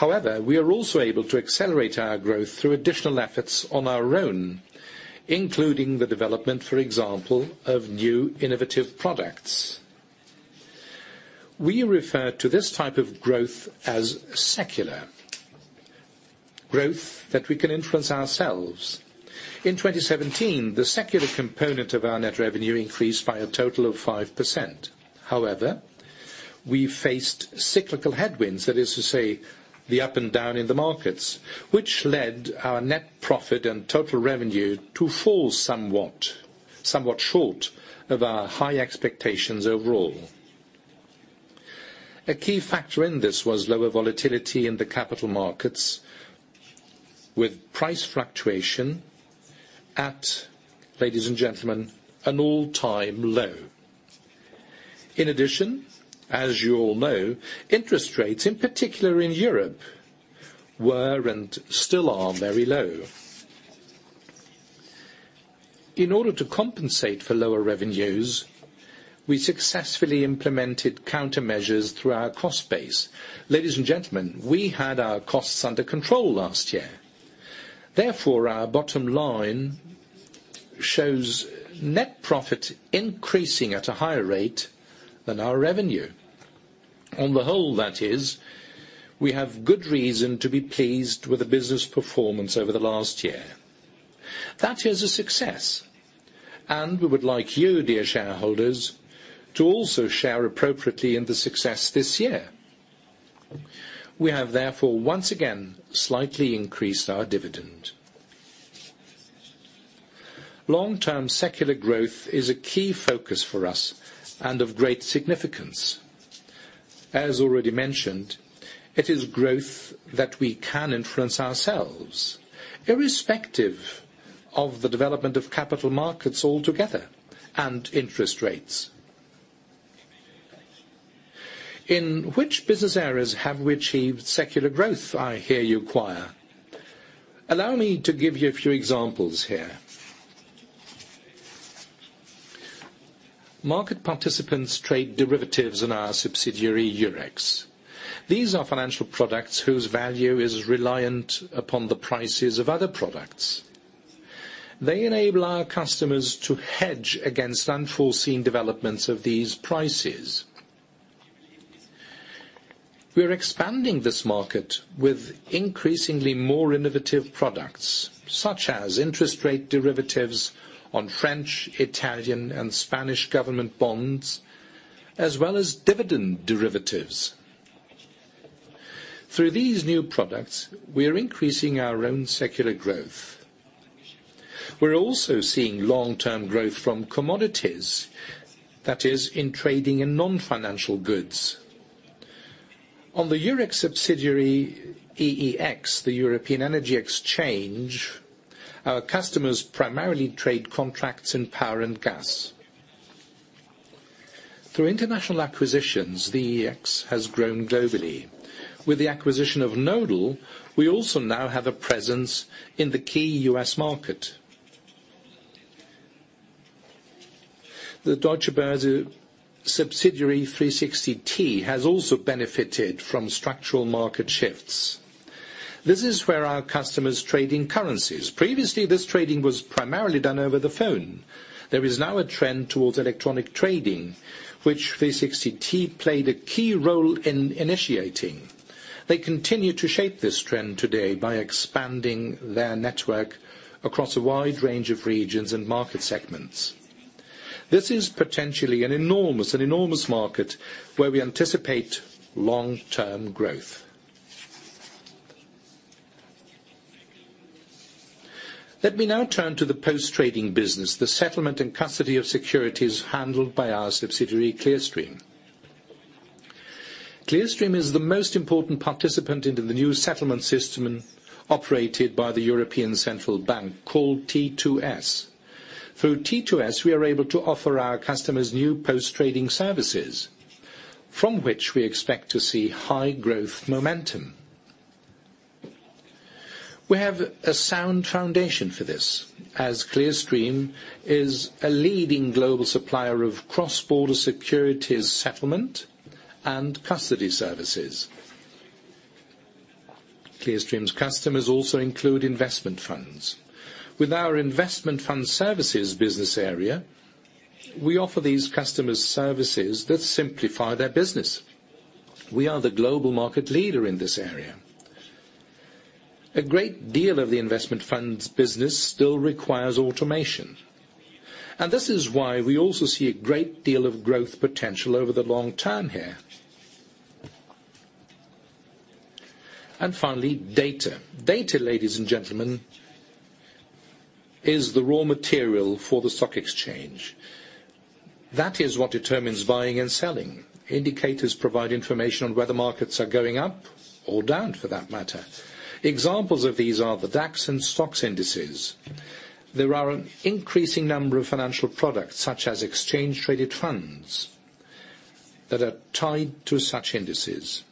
We are also able to accelerate our growth through additional efforts on our own, including the development, for example, of new innovative products. We refer to this type of growth as secular. Growth that we can influence ourselves. In 2017, the secular component of our net revenue increased by a total of 5%. We faced cyclical headwinds, that is to say, the up and down in the markets, which led our net profit and total revenue to fall somewhat short of our high expectations overall. A key factor in this was lower volatility in the capital markets with price fluctuation at, ladies and gentlemen, an all-time low. In addition, as you all know, interest rates, in particular in Europe, were and still are very low. In order to compensate for lower revenues, we successfully implemented countermeasures through our cost base. Ladies and gentlemen, we had our costs under control last year. Our bottom line shows net profit increasing at a higher rate than our revenue. On the whole, that is, we have good reason to be pleased with the business performance over the last year. That is a success, and we would like you, dear shareholders, to also share appropriately in the success this year. We have, once again, slightly increased our dividend. Long-term secular growth is a key focus for us and of great significance. As already mentioned, it is growth that we can influence ourselves, irrespective of the development of capital markets altogether and interest rates. "In which business areas have we achieved secular growth?" I hear you choir. Allow me to give you a few examples here. Market participants trade derivatives in our subsidiary, Eurex. These are financial products whose value is reliant upon the prices of other products. They enable our customers to hedge against unforeseen developments of these prices. We're expanding this market with increasingly more innovative products, such as interest rate derivatives on French, Italian, and Spanish government bonds, as well as dividend derivatives. Through these new products, we are increasing our own secular growth. We're also seeing long-term growth from commodities, that is, in trading in non-financial goods. On the Eurex subsidiary, EEX, the European Energy Exchange, our customers primarily trade contracts in power and gas. Through international acquisitions, the EEX has grown globally. With the acquisition of Nodal, we also now have a presence in the key U.S. market. The Deutsche Börse subsidiary, 360T, has also benefited from structural market shifts. This is where our customers trading currencies. Previously, this trading was primarily done over the phone. There is now a trend towards electronic trading, which 360T played a key role in initiating. They continue to shape this trend today by expanding their network across a wide range of regions and market segments. This is potentially an enormous market where we anticipate long-term growth. Let me now turn to the post-trading business, the settlement and custody of securities handled by our subsidiary, Clearstream. Clearstream is the most important participant in the new settlement system operated by the European Central Bank, called T2S. Through T2S, we are able to offer our customers new post-trading services from which we expect to see high growth momentum. We have a sound foundation for this, as Clearstream is a leading global supplier of cross-border securities settlement and custody services. Clearstream's customers also include investment funds. With our investment fund services business area, we offer these customers services that simplify their business. We are the global market leader in this area. A great deal of the investment funds business still requires automation, and this is why we also see a great deal of growth potential over the long term here. Finally, data. Data, ladies and gentlemen, is the raw material for the stock exchange. That is what determines buying and selling. Indicators provide information on whether markets are going up or down for that matter. Examples of these are the DAX and STOXX indices. There are an increasing number of financial products, such as exchange traded funds, that are tied to such indices.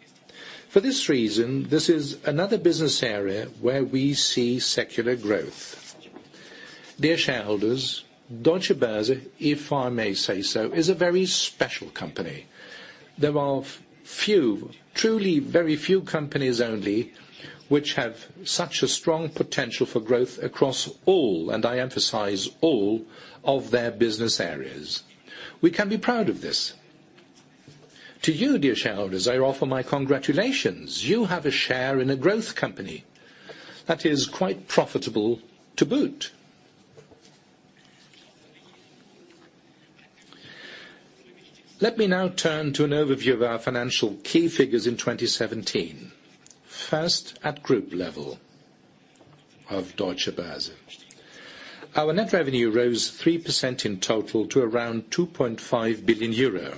For this reason, this is another business area where we see secular growth. Dear shareholders, Deutsche Börse, if I may say so, is a very special company. There are few, truly very few companies only, which have such a strong potential for growth across all, and I emphasize all, of their business areas. We can be proud of this. To you, dear shareholders, I offer my congratulations. You have a share in a growth company that is quite profitable to boot. Let me now turn to an overview of our financial key figures in 2017. First, at group level of Deutsche Börse. Our net revenue rose 3% in total to around 2.5 billion euro.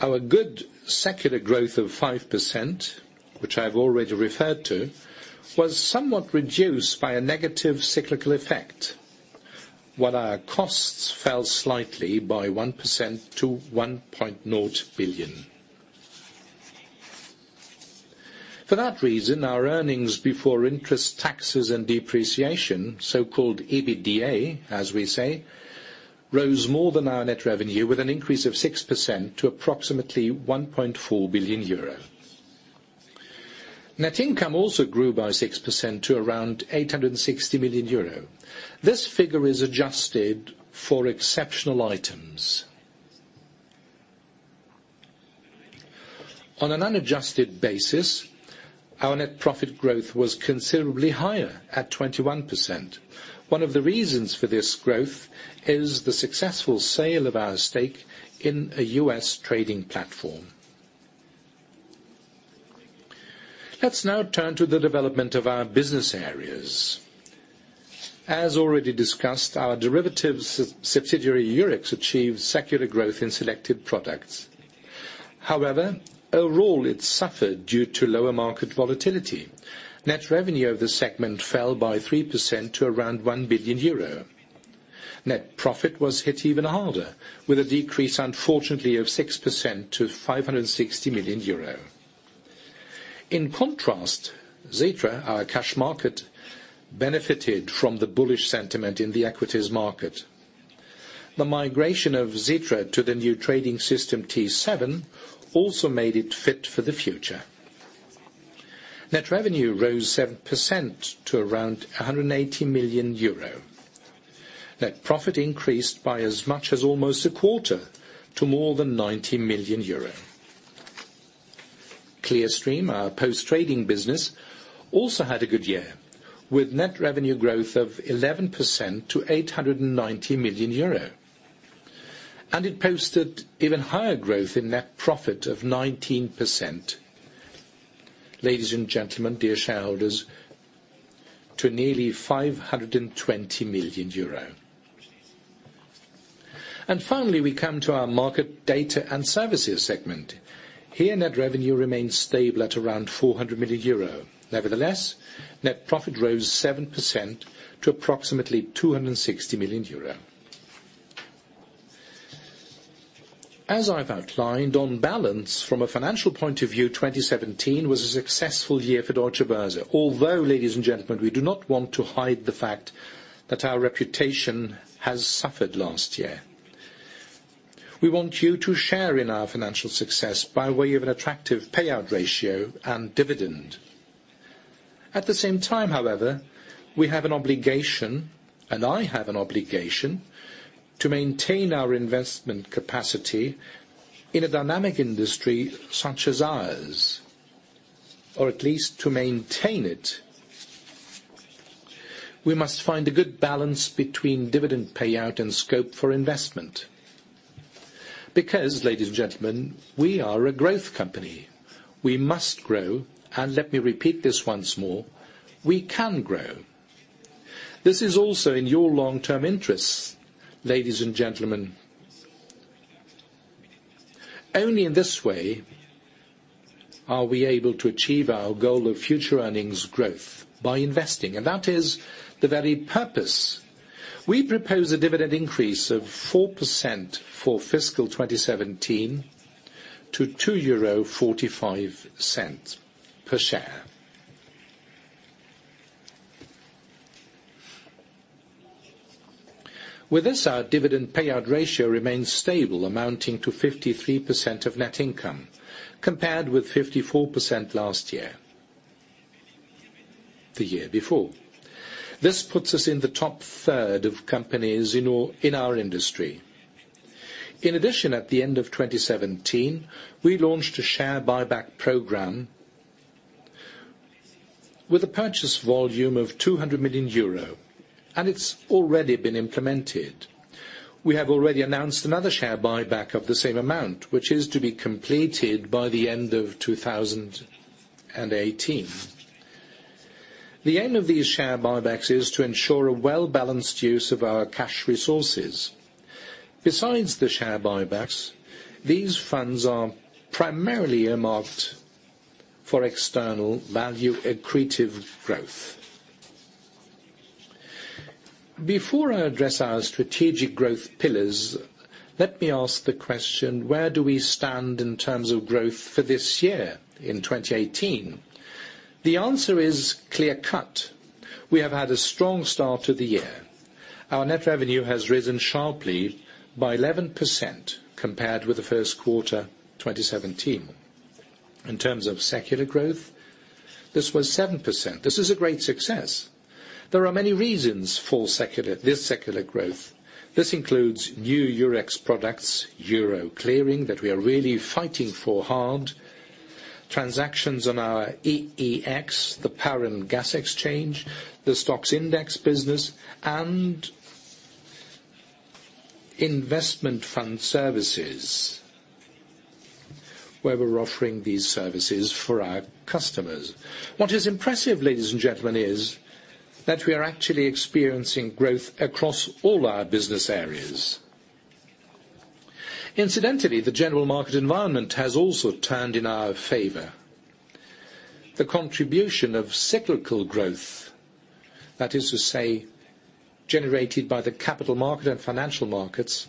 Our good secular growth of 5%, which I've already referred to, was somewhat reduced by a negative cyclical effect, while our costs fell slightly by 1% to 1.0 billion. For that reason, our earnings before interests, taxes, and depreciation, so-called EBITDA, as we say, rose more than our net revenue, with an increase of 6% to approximately 1.4 billion euro. Net income also grew by 6% to around 860 million euro. This figure is adjusted for exceptional items. On an unadjusted basis, our net profit growth was considerably higher, at 21%. One of the reasons for this growth is the successful sale of our stake in a U.S. trading platform. Let's now turn to the development of our business areas. As already discussed, our derivatives subsidiary, Eurex, achieved secular growth in selected products. However, overall, it suffered due to lower market volatility. Net revenue of the segment fell by 3% to around 1 billion euro. Net profit was hit even harder, with a decrease, unfortunately, of 6% to 560 million euro. In contrast, Xetra, our cash market, benefited from the bullish sentiment in the equities market. The migration of Xetra to the new trading system, T7, also made it fit for the future. Net revenue rose 7% to around 180 million euro. Net profit increased by as much as almost a quarter to more than 90 million euro. Clearstream, our post-trading business, also had a good year, with net revenue growth of 11% to 890 million euro. It posted even higher growth in net profit of 19%, ladies and gentlemen, dear shareholders, to nearly EUR 520 million. Finally, we come to our market data and services segment. Here, net revenue remains stable at around 400 million euro. Nevertheless, net profit rose 7% to approximately 260 million euro. As I've outlined, on balance, from a financial point of view, 2017 was a successful year for Deutsche Börse. Although, ladies and gentlemen, we do not want to hide the fact that our reputation has suffered last year. We want you to share in our financial success by way of an attractive payout ratio and dividend. At the same time, however, we have an obligation, and I have an obligation, to maintain our investment capacity in a dynamic industry such as ours. Or at least to maintain it. We must find a good balance between dividend payout and scope for investment. Because, ladies and gentlemen, we are a growth company. We must grow, and let me repeat this once more, we can grow. This is also in your long-term interests, ladies and gentlemen. Only in this way are we able to achieve our goal of future earnings growth, by investing. That is the very purpose. We propose a dividend increase of 4% for fiscal 2017 to 2.45 euro per share. With this, our dividend payout ratio remains stable, amounting to 53% of net income, compared with 54% last year, the year before. This puts us in the top third of companies in our industry. In addition, at the end of 2017, we launched a share buyback program with a purchase volume of 200 million euro. It's already been implemented. We have already announced another share buyback of the same amount, which is to be completed by the end of 2018. The aim of these share buybacks is to ensure a well-balanced use of our cash resources. Besides the share buybacks, these funds are primarily earmarked for external value accretive growth. Before I address our strategic growth pillars, let me ask the question: where do we stand in terms of growth for this year, in 2018? The answer is clear-cut. We have had a strong start to the year. Our net revenue has risen sharply by 11% compared with the first quarter 2017. In terms of secular growth, this was 7%. This is a great success. There are many reasons for this secular growth. This includes new Eurex products, euro clearing, that we are really fighting for hard, transactions on our EEX, the power and gas exchange, the stocks index business, and investment fund services, where we are offering these services for our customers. What is impressive, ladies and gentlemen, is that we are actually experiencing growth across all our business areas. Incidentally, the general market environment has also turned in our favor. The contribution of cyclical growth, that is to say, generated by the capital market and financial markets,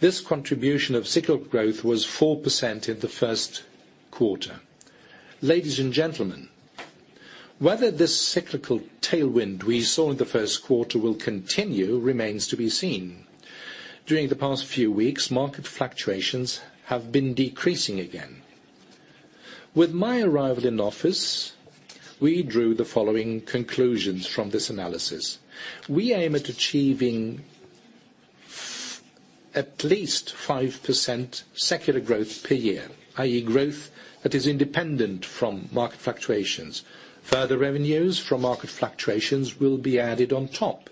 this contribution of cyclical growth was 4% in the first quarter. Ladies and gentlemen, whether this cyclical tailwind we saw in the first quarter will continue remains to be seen. During the past few weeks, market fluctuations have been decreasing again. With my arrival in office, we drew the following conclusions from this analysis. We aim at achieving at least 5% secular growth per year, i.e. growth that is independent from market fluctuations. Further revenues from market fluctuations will be added on top.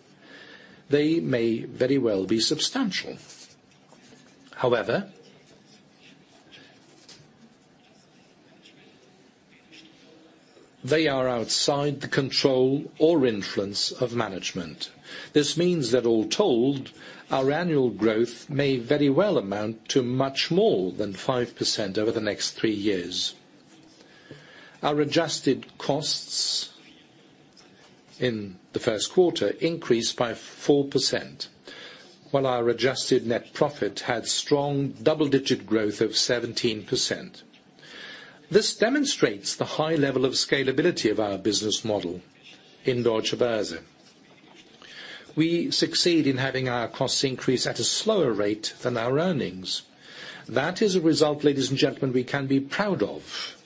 They may very well be substantial. They are outside the control or influence of management. This means that all told, our annual growth may very well amount to much more than 5% over the next three years. Our adjusted costs in the first quarter increased by 4%, while our adjusted net profit had strong double-digit growth of 17%. This demonstrates the high level of scalability of our business model in Deutsche Börse. We succeed in having our costs increase at a slower rate than our earnings. That is a result, ladies and gentlemen, we can be proud of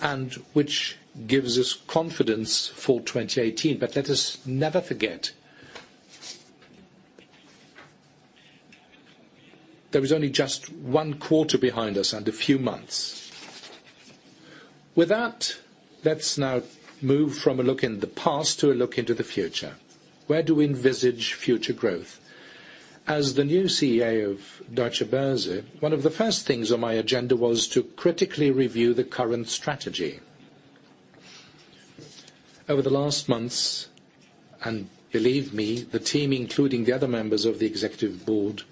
and which gives us confidence for 2018. Let us never forget, there is only just one quarter behind us and a few months. With that, let us now move from a look in the past, to a look into the future. Where do we envisage future growth? As the new CEO of Deutsche Börse, one of the first things on my agenda was to critically review the current strategy. Over the last months, and believe me, the team, including the other members of the executive board,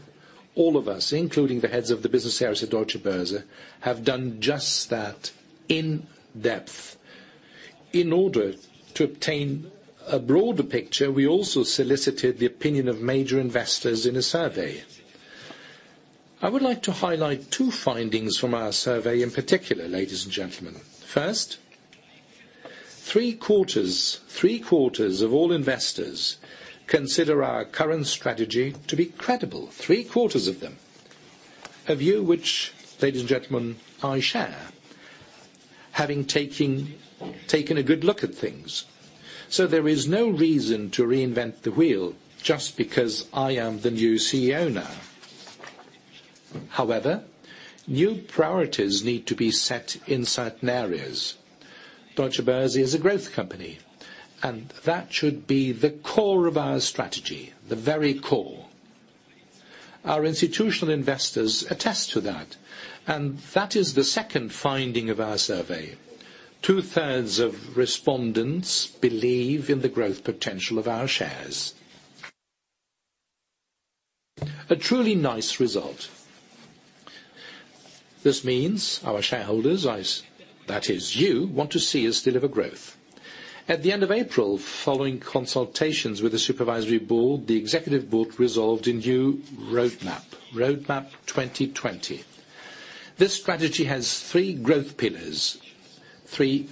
all of us, including the heads of the business areas at Deutsche Börse, have done just that in depth. In order to obtain a broader picture, we also solicited the opinion of major investors in a survey. I would like to highlight two findings from our survey in particular, ladies and gentlemen. First, three-quarters of all investors consider our current strategy to be credible. Three-quarters of them. A view, which, ladies and gentlemen, I share, having taken a good look at things. There is no reason to reinvent the wheel just because I am the new CEO now. New priorities need to be set in certain areas. Deutsche Börse is a growth company, and that should be the core of our strategy. The very core. Our institutional investors attest to that, and that is the second finding of our survey. Two-thirds of respondents believe in the growth potential of our shares. A truly nice result. This means our shareholders, that is you, want to see us deliver growth. At the end of April, following consultations with the supervisory board, the executive board resolved a new roadmap, Roadmap 2020. This strategy has three growth pillars, three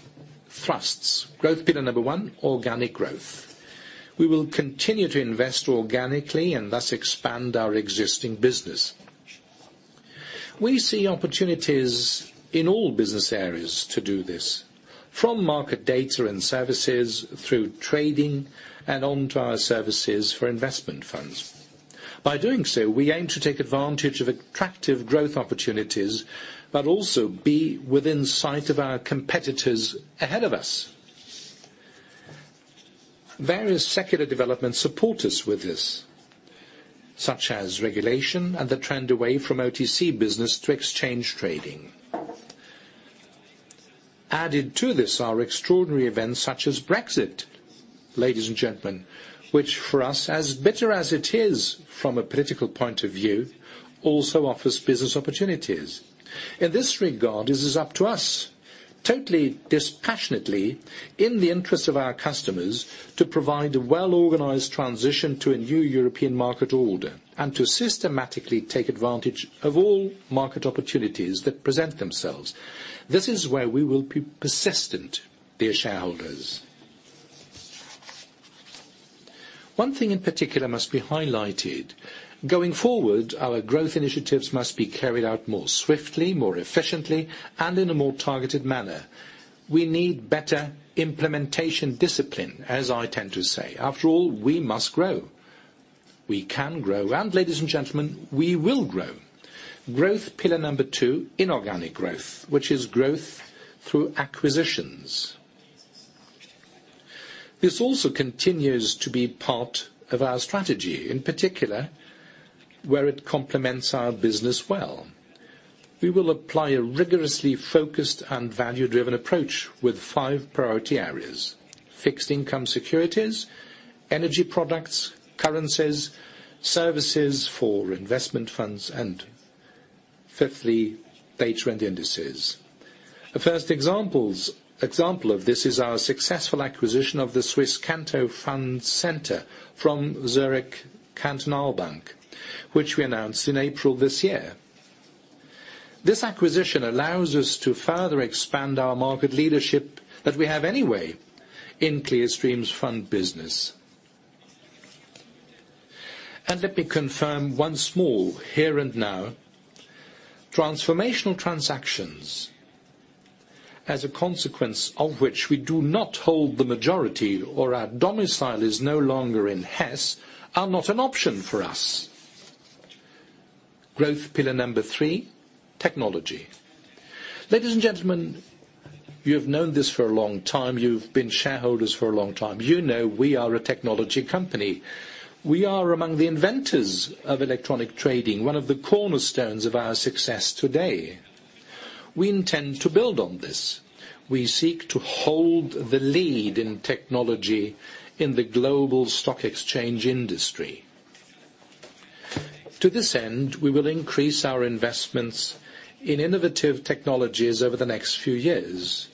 thrusts. Growth pillar number one, organic growth. We will continue to invest organically and thus expand our existing business. We see opportunities in all business areas to do this. From market data and services, through trading, and onto our services for investment funds. By doing so, we aim to take advantage of attractive growth opportunities, but also be within sight of our competitors ahead of us. Various secular developments support us with this, such as regulation and the trend away from OTC business to exchange trading. Added to this are extraordinary events such as Brexit, ladies and gentlemen, which for us, as bitter as it is from a political point of view, also offers business opportunities. In this regard, it is up to us, totally dispassionately, in the interest of our customers, to provide a well-organized transition to a new European market order and to systematically take advantage of all market opportunities that present themselves. This is where we will be persistent, dear shareholders. One thing in particular must be highlighted. Going forward, our growth initiatives must be carried out more swiftly, more efficiently, and in a more targeted manner. We need better implementation discipline, as I tend to say. After all, we must grow. We can grow. Ladies and gentlemen, we will grow. Growth pillar number two, inorganic growth, which is growth through acquisitions. This also continues to be part of our strategy, in particular, where it complements our business well. We will apply a rigorously focused and value-driven approach with five priority areas. Fixed income securities, energy products, currencies, services for investment funds, and fifthly, data and indices. A first example of this is our successful acquisition of the Swisscanto Funds Centre from Zürcher Kantonalbank, which we announced in April this year. This acquisition allows us to further expand our market leadership that we have anyway in Clearstream's fund business. Let me confirm once more, here and now, transformational transactions, as a consequence of which we do not hold the majority or our domicile is no longer in Hesse, are not an option for us. Growth pillar number three, technology. Ladies and gentlemen, you have known this for a long time. You've been shareholders for a long time. You know we are a technology company. We are among the inventors of electronic trading, one of the cornerstones of our success today. We intend to build on this. We seek to hold the lead in technology in the global stock exchange industry. To this end, we will increase our investments in innovative technologies over the next few years.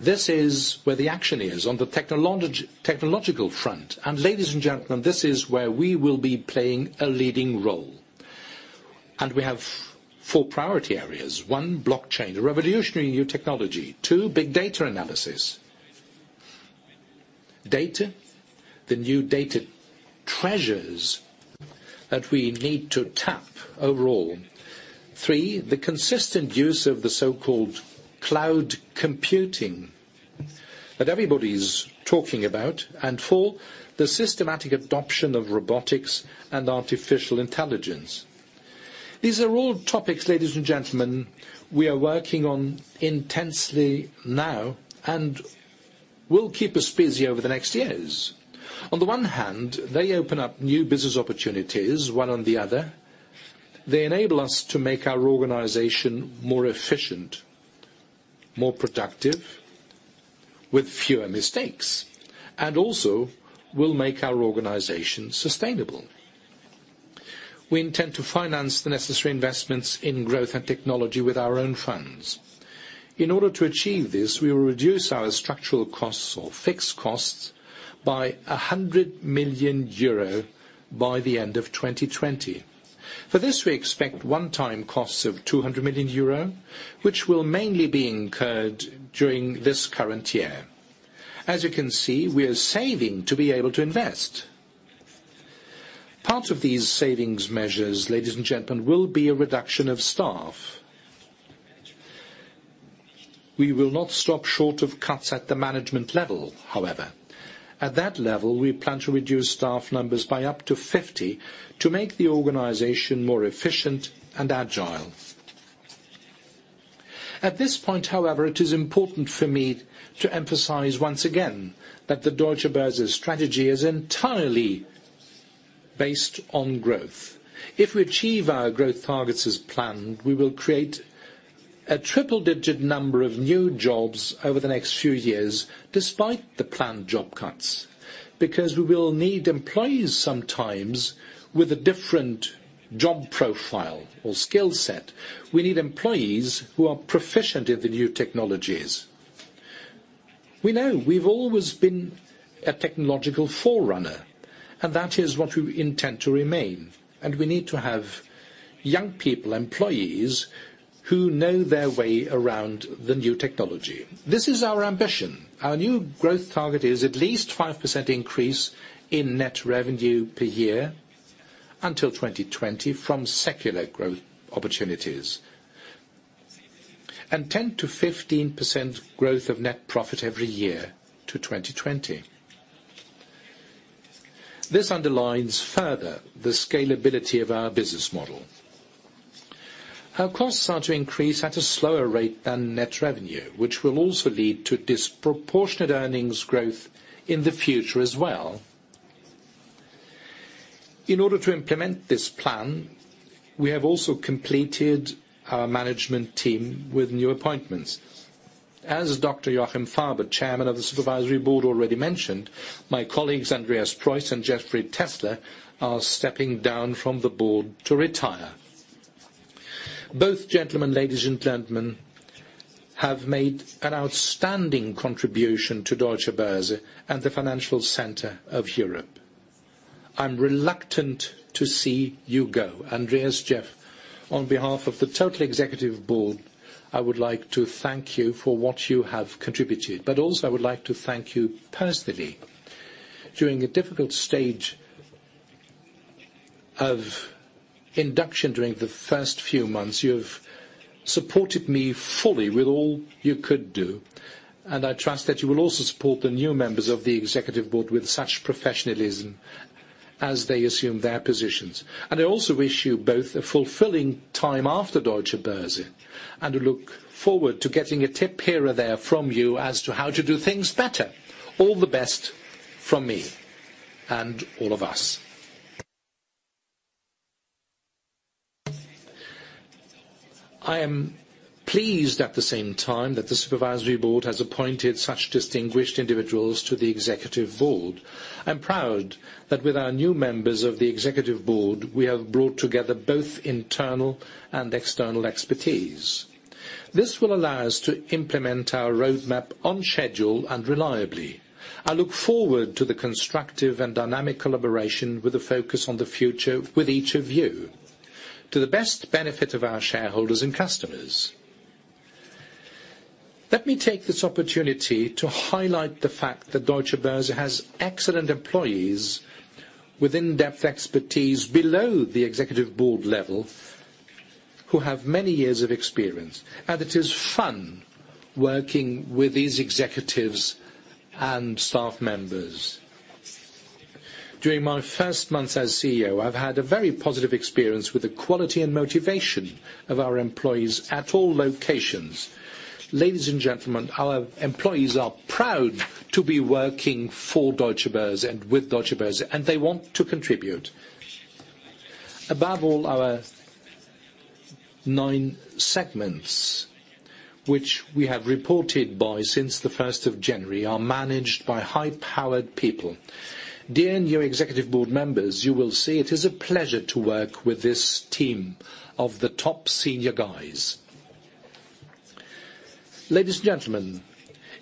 This is where the action is on the technological front, ladies and gentlemen, this is where we will be playing a leading role. We have four priority areas. 1, blockchain, a revolutionary new technology. 2, big data analysis. Data, the new data treasures that we need to tap overall. 3, the consistent use of the so-called cloud computing that everybody's talking about. 4, the systematic adoption of robotics and artificial intelligence. These are all topics, ladies and gentlemen, we are working on intensely now and will keep us busy over the next years. On the one hand, they open up new business opportunities. One on the other, they enable us to make our organization more efficient, more productive, with fewer mistakes, and also will make our organization sustainable. We intend to finance the necessary investments in growth and technology with our own funds. In order to achieve this, we will reduce our structural costs or fixed costs by 100 million euro by the end of 2020. For this, we expect one-time costs of 200 million euro, which will mainly be incurred during this current year. As you can see, we are saving to be able to invest. Part of these savings measures, ladies and gentlemen, will be a reduction of staff. We will not stop short of cuts at the management level, however. At that level, we plan to reduce staff numbers by up to 50 to make the organization more efficient and agile. At this point, however, it is important for me to emphasize once again that the Deutsche Börse's strategy is entirely based on growth. If we achieve our growth targets as planned, we will create a triple-digit number of new jobs over the next few years despite the planned job cuts, because we will need employees sometimes with a different job profile or skill set. We need employees who are proficient in the new technologies. We know we've always been a technological forerunner, and that is what we intend to remain, and we need to have young people, employees, who know their way around the new technology. This is our ambition. Our new growth target is at least 5% increase in net revenue per year until 2020 from secular growth opportunities, and 10%-15% growth of net profit every year to 2020. This underlines further the scalability of our business model. Our costs are to increase at a slower rate than net revenue, which will also lead to disproportionate earnings growth in the future as well. In order to implement this plan, we have also completed our management team with new appointments. As Dr. Joachim Faber, Chairman of the Supervisory Board, already mentioned, my colleagues, Andreas Preuss and Jeffrey Tessler, are stepping down from the board to retire. Both gentlemen, ladies and gentlemen, have made an outstanding contribution to Deutsche Börse and the financial center of Europe. I'm reluctant to see you go. Andreas, Jeff, on behalf of the total Executive Board, I would like to thank you for what you have contributed, but also I would like to thank you personally. During a difficult stage of induction during the first few months, you have supported me fully with all you could do. I trust that you will also support the new members of the Executive Board with such professionalism as they assume their positions. I also wish you both a fulfilling time after Deutsche Börse and look forward to getting a tip here or there from you as to how to do things better. All the best from me and all of us. I am pleased at the same time that the Supervisory Board has appointed such distinguished individuals to the Executive Board. I'm proud that with our new members of the Executive Board, we have brought together both internal and external expertise. This will allow us to implement our Roadmap on schedule and reliably. I look forward to the constructive and dynamic collaboration with a focus on the future with each of you to the best benefit of our shareholders and customers. Let me take this opportunity to highlight the fact that Deutsche Börse has excellent employees with in-depth expertise below the executive board level who have many years of experience. It is fun working with these executives and staff members. During my first months as CEO, I have had a very positive experience with the quality and motivation of our employees at all locations. Ladies and gentlemen, our employees are proud to be working for Deutsche Börse and with Deutsche Börse, and they want to contribute. Above all, our nine segments, which we have reported by since the 1st of January, are managed by high-powered people. Dear new executive board members, you will see it is a pleasure to work with this team of the top senior guys. Ladies and gentlemen,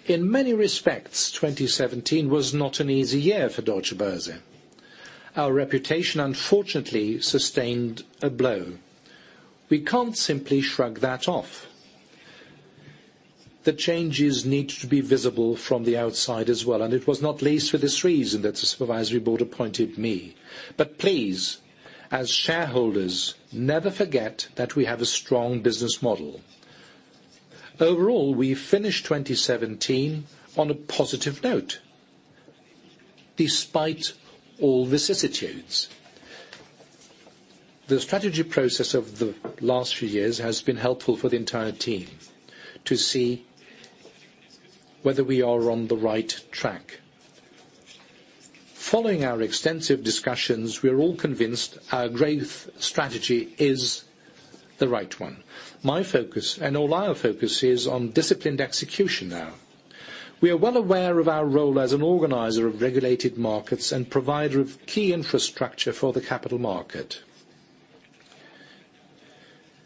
in many respects, 2017 was not an easy year for Deutsche Börse. Our reputation, unfortunately, sustained a blow. We can't simply shrug that off. The changes need to be visible from the outside as well, and it was not least for this reason that the Supervisory Board appointed me. Please, as shareholders, never forget that we have a strong business model. Overall, we finished 2017 on a positive note, despite all vicissitudes. The strategy process of the last few years has been helpful for the entire team to see whether we are on the right track. Following our extensive discussions, we are all convinced our growth strategy is the right one. My focus and all our focus is on disciplined execution now. We are well aware of our role as an organizer of regulated markets and provider of key infrastructure for the capital market.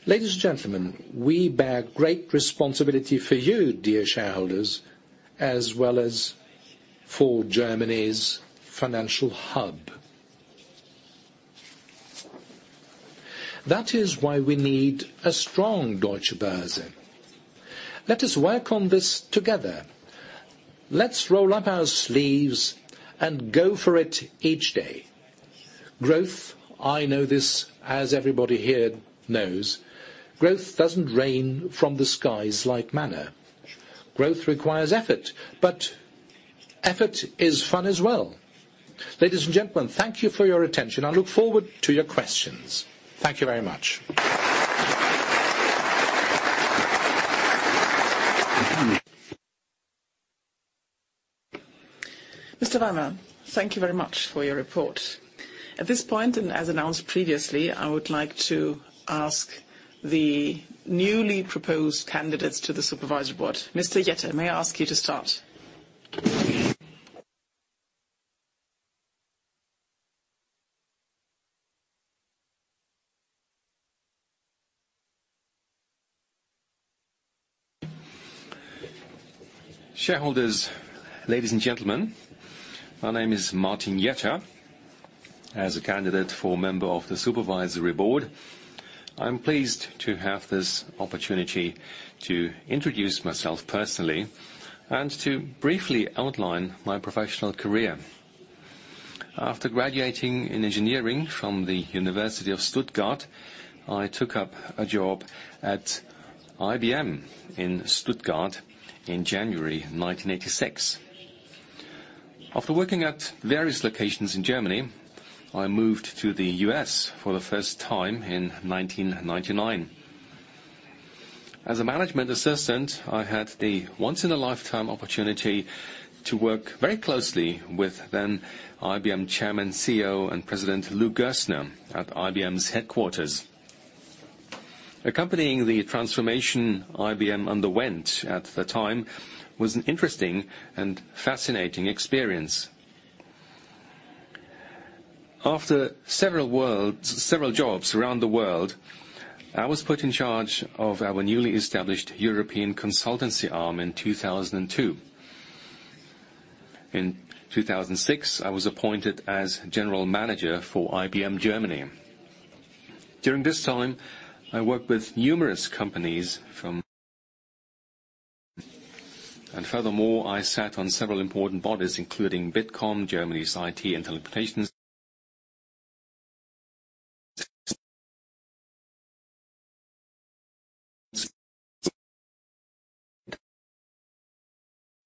Ladies and gentlemen, we bear great responsibility for you, dear shareholders, as well as for Germany's financial hub. That is why we need a strong Deutsche Börse. Let us work on this together. Let's roll up our sleeves and go for it each day. Growth, I know this, as everybody here knows, growth doesn't rain from the skies like manna. Growth requires effort is fun as well. Ladies and gentlemen, thank you for your attention. I look forward to your questions. Thank you very much. Mr. Weimer, thank you very much for your report. At this point, as announced previously, I would like to ask the newly proposed candidates to the Supervisory Board. Mr. Jetter, may I ask you to start? Shareholders, ladies and gentlemen, my name is Martin Jetter. As a candidate for member of the Supervisory Board, I'm pleased to have this opportunity to introduce myself personally and to briefly outline my professional career. After graduating in engineering from the University of Stuttgart, I took up a job at IBM in Stuttgart in January 1986. After working at various locations in Germany, I moved to the U.S. for the first time in 1999. As a management assistant, I had the once-in-a-lifetime opportunity to work very closely with then IBM Chairman, CEO, and President, Lou Gerstner, at IBM's headquarters. Accompanying the transformation IBM underwent at the time was an interesting and fascinating experience. After several jobs around the world, I was put in charge of our newly established European consultancy arm in 2002. In 2006, I was appointed as General Manager for IBM Germany. During this time, I worked with numerous companies from. Furthermore, I sat on several important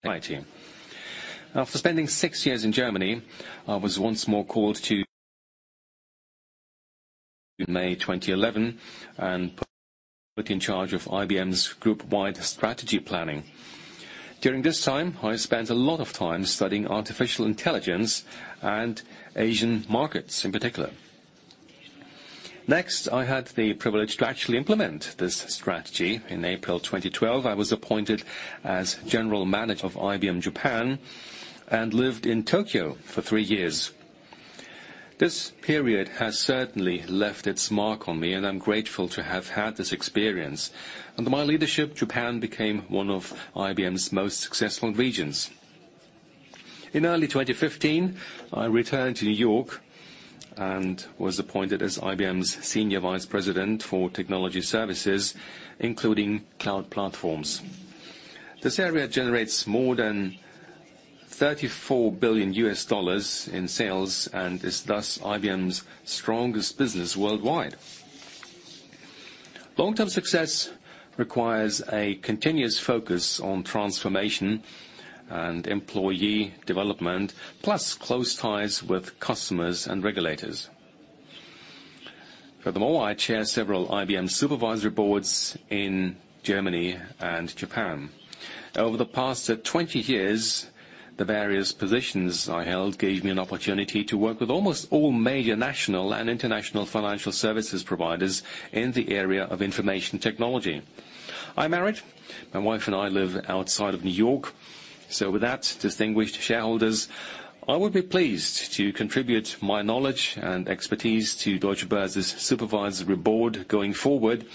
bodies, including Bitkom, Germany's IT association. After spending six years in Germany, I was once more called to May 2011 and put in charge of IBM's group-wide strategy planning. During this time, I spent a lot of time studying artificial intelligence and Asian markets in particular. Next, I had the privilege to actually implement this strategy. In April 2012, I was appointed as General Manager of IBM Japan and lived in Tokyo for three years. This period has certainly left its mark on me, and I'm grateful to have had this experience. Under my leadership, Japan became one of IBM's most successful regions. In early 2015, I returned to New York and was appointed as IBM's Senior Vice President for Technology Services, including cloud platforms. This area generates more than $34 billion in sales and is thus IBM's strongest business worldwide. Long-term success requires a continuous focus on transformation and employee development, plus close ties with customers and regulators. Furthermore, I chair several IBM supervisory boards in Germany and Japan. Over the past 20 years, the various positions I held gave me an opportunity to work with almost all major national and international financial services providers in the area of information technology. I'm married. My wife and I live outside of New York. With that, distinguished shareholders I would be pleased to contribute my knowledge and expertise to Deutsche Börse's Supervisory Board going forward,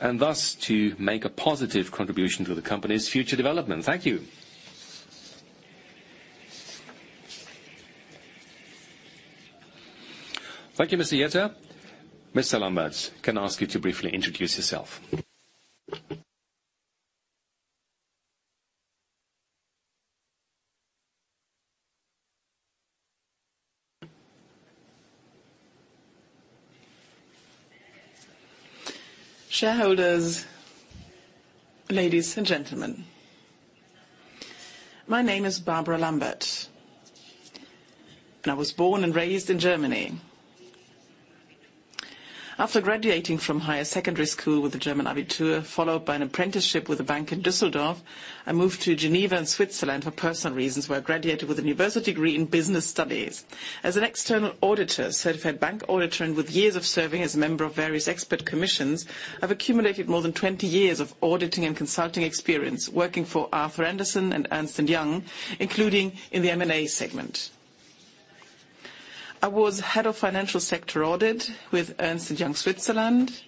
and thus to make a positive contribution to the company's future development. Thank you. Thank you, Mr. Jetter. Ms. Lambert, can I ask you to briefly introduce yourself? Shareholders, ladies and gentlemen. My name is Barbara Lambert, I was born and raised in Germany. After graduating from higher secondary school with a German Abitur followed by an apprenticeship with a bank in Düsseldorf, I moved to Geneva in Switzerland for personal reasons, where I graduated with a university degree in business studies. As an external auditor, certified bank auditor, and with years of serving as a member of various expert commissions, I've accumulated more than 20 years of auditing and consulting experience working for Arthur Andersen and Ernst & Young, including in the M&A segment. I was head of financial sector audit with Ernst & Young Switzerland,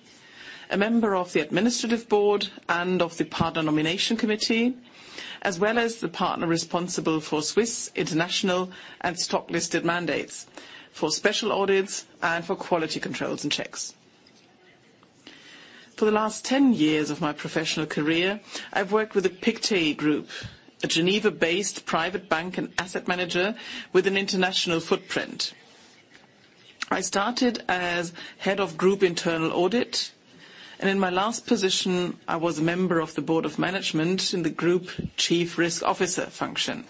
a member of the Administrative Board and of the Partner Nomination Committee, as well as the partner responsible for Swiss international and stock-listed mandates for special audits and for quality controls and checks. For the last 10 years of my professional career, I've worked with the Pictet Group, a Geneva-based private bank and asset manager with an international footprint. I started as head of group internal audit, and in my last position, I was a member of the board of management in the group chief risk officer function,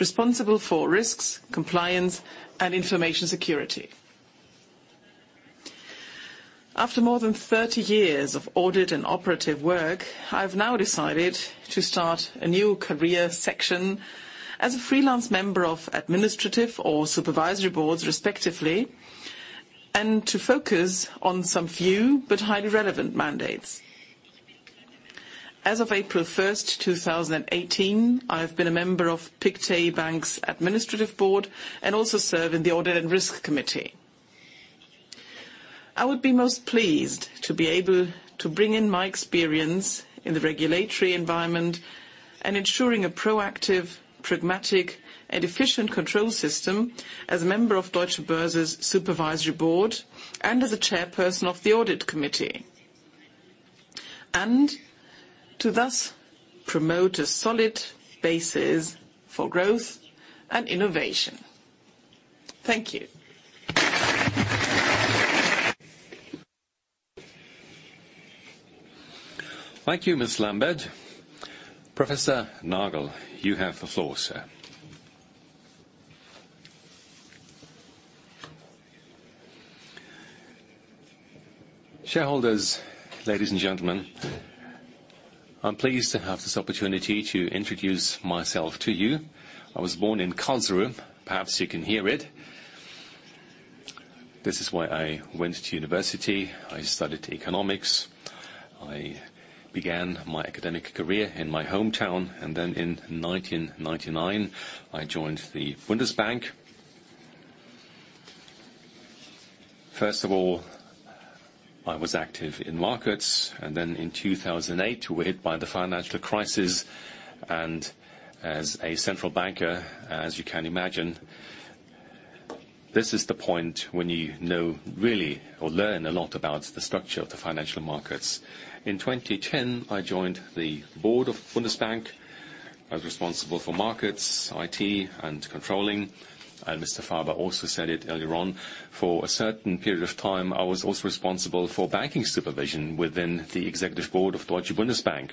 responsible for risks, compliance, and information security. After more than 30 years of audit and operative work, I've now decided to start a new career section as a freelance member of administrative or supervisory boards respectively, and to focus on some few but highly relevant mandates. As of April 1st, 2018, I have been a member of Pictet Bank's Administrative Board and also serve in the Audit and Risk Committee. I would be most pleased to be able to bring in my experience in the regulatory environment and ensuring a proactive, pragmatic, and efficient control system as a member of Deutsche Börse's Supervisory Board and as the chairperson of the Audit Committee. To thus promote a solid basis for growth and innovation. Thank you. Thank you, Ms. Lambert. Professor Nagel, you have the floor, sir. Shareholders, ladies and gentlemen. I'm pleased to have this opportunity to introduce myself to you. I was born in Karlsruhe. Perhaps you can hear it. This is where I went to university. I studied economics. I began my academic career in my hometown. In 1999, I joined the Bundesbank. First of all, I was active in markets. In 2008, we were hit by the financial crisis, and as a central banker, as you can imagine, this is the point when you know really or learn a lot about the structure of the financial markets. In 2010, I joined the board of Bundesbank. I was responsible for markets, IT, and controlling. Mr. Faber also said it earlier on. For a certain period of time, I was also responsible for banking supervision within the executive board of Deutsche Bundesbank.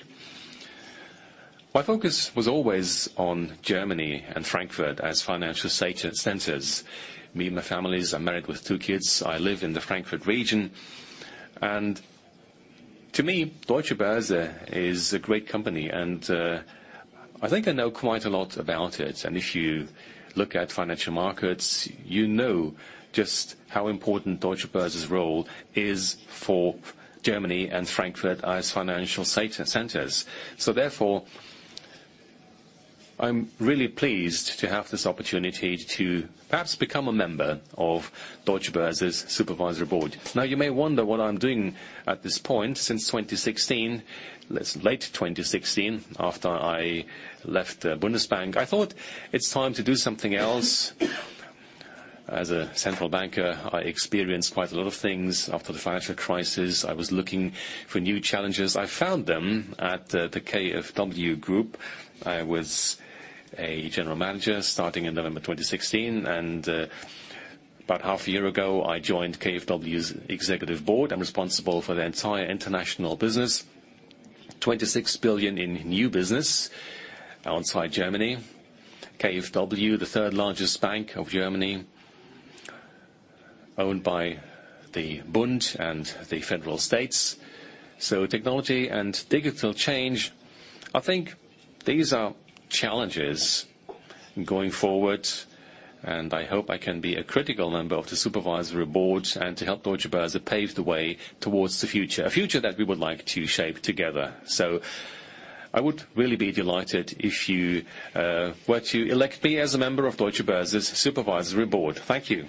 My focus was always on Germany and Frankfurt as financial centers. Me and my family, I'm married with two kids, I live in the Frankfurt region. To me, Deutsche Börse is a great company. I think I know quite a lot about it. If you look at financial markets, you know just how important Deutsche Börse's role is for Germany and Frankfurt as financial centers. Therefore, I'm really pleased to have this opportunity to perhaps become a member of Deutsche Börse's Supervisory Board. You may wonder what I'm doing at this point since 2016. Late 2016, after I left Bundesbank. I thought, "It's time to do something else." As a central banker, I experienced quite a lot of things after the financial crisis. I was looking for new challenges. I found them at the KfW Group. I was a general manager starting in November 2016, and about half a year ago, I joined KfW's executive board. I'm responsible for the entire international business, 26 billion in new business outside Germany. KfW, the third largest bank of Germany, owned by the Bund and the federal states. Technology and digital change, I think these are challenges going forward, and I hope I can be a critical member of the Supervisory Board and to help Deutsche Börse pave the way towards the future. A future that we would like to shape together. I would really be delighted if you were to elect me as a member of Deutsche Börse's Supervisory Board. Thank you.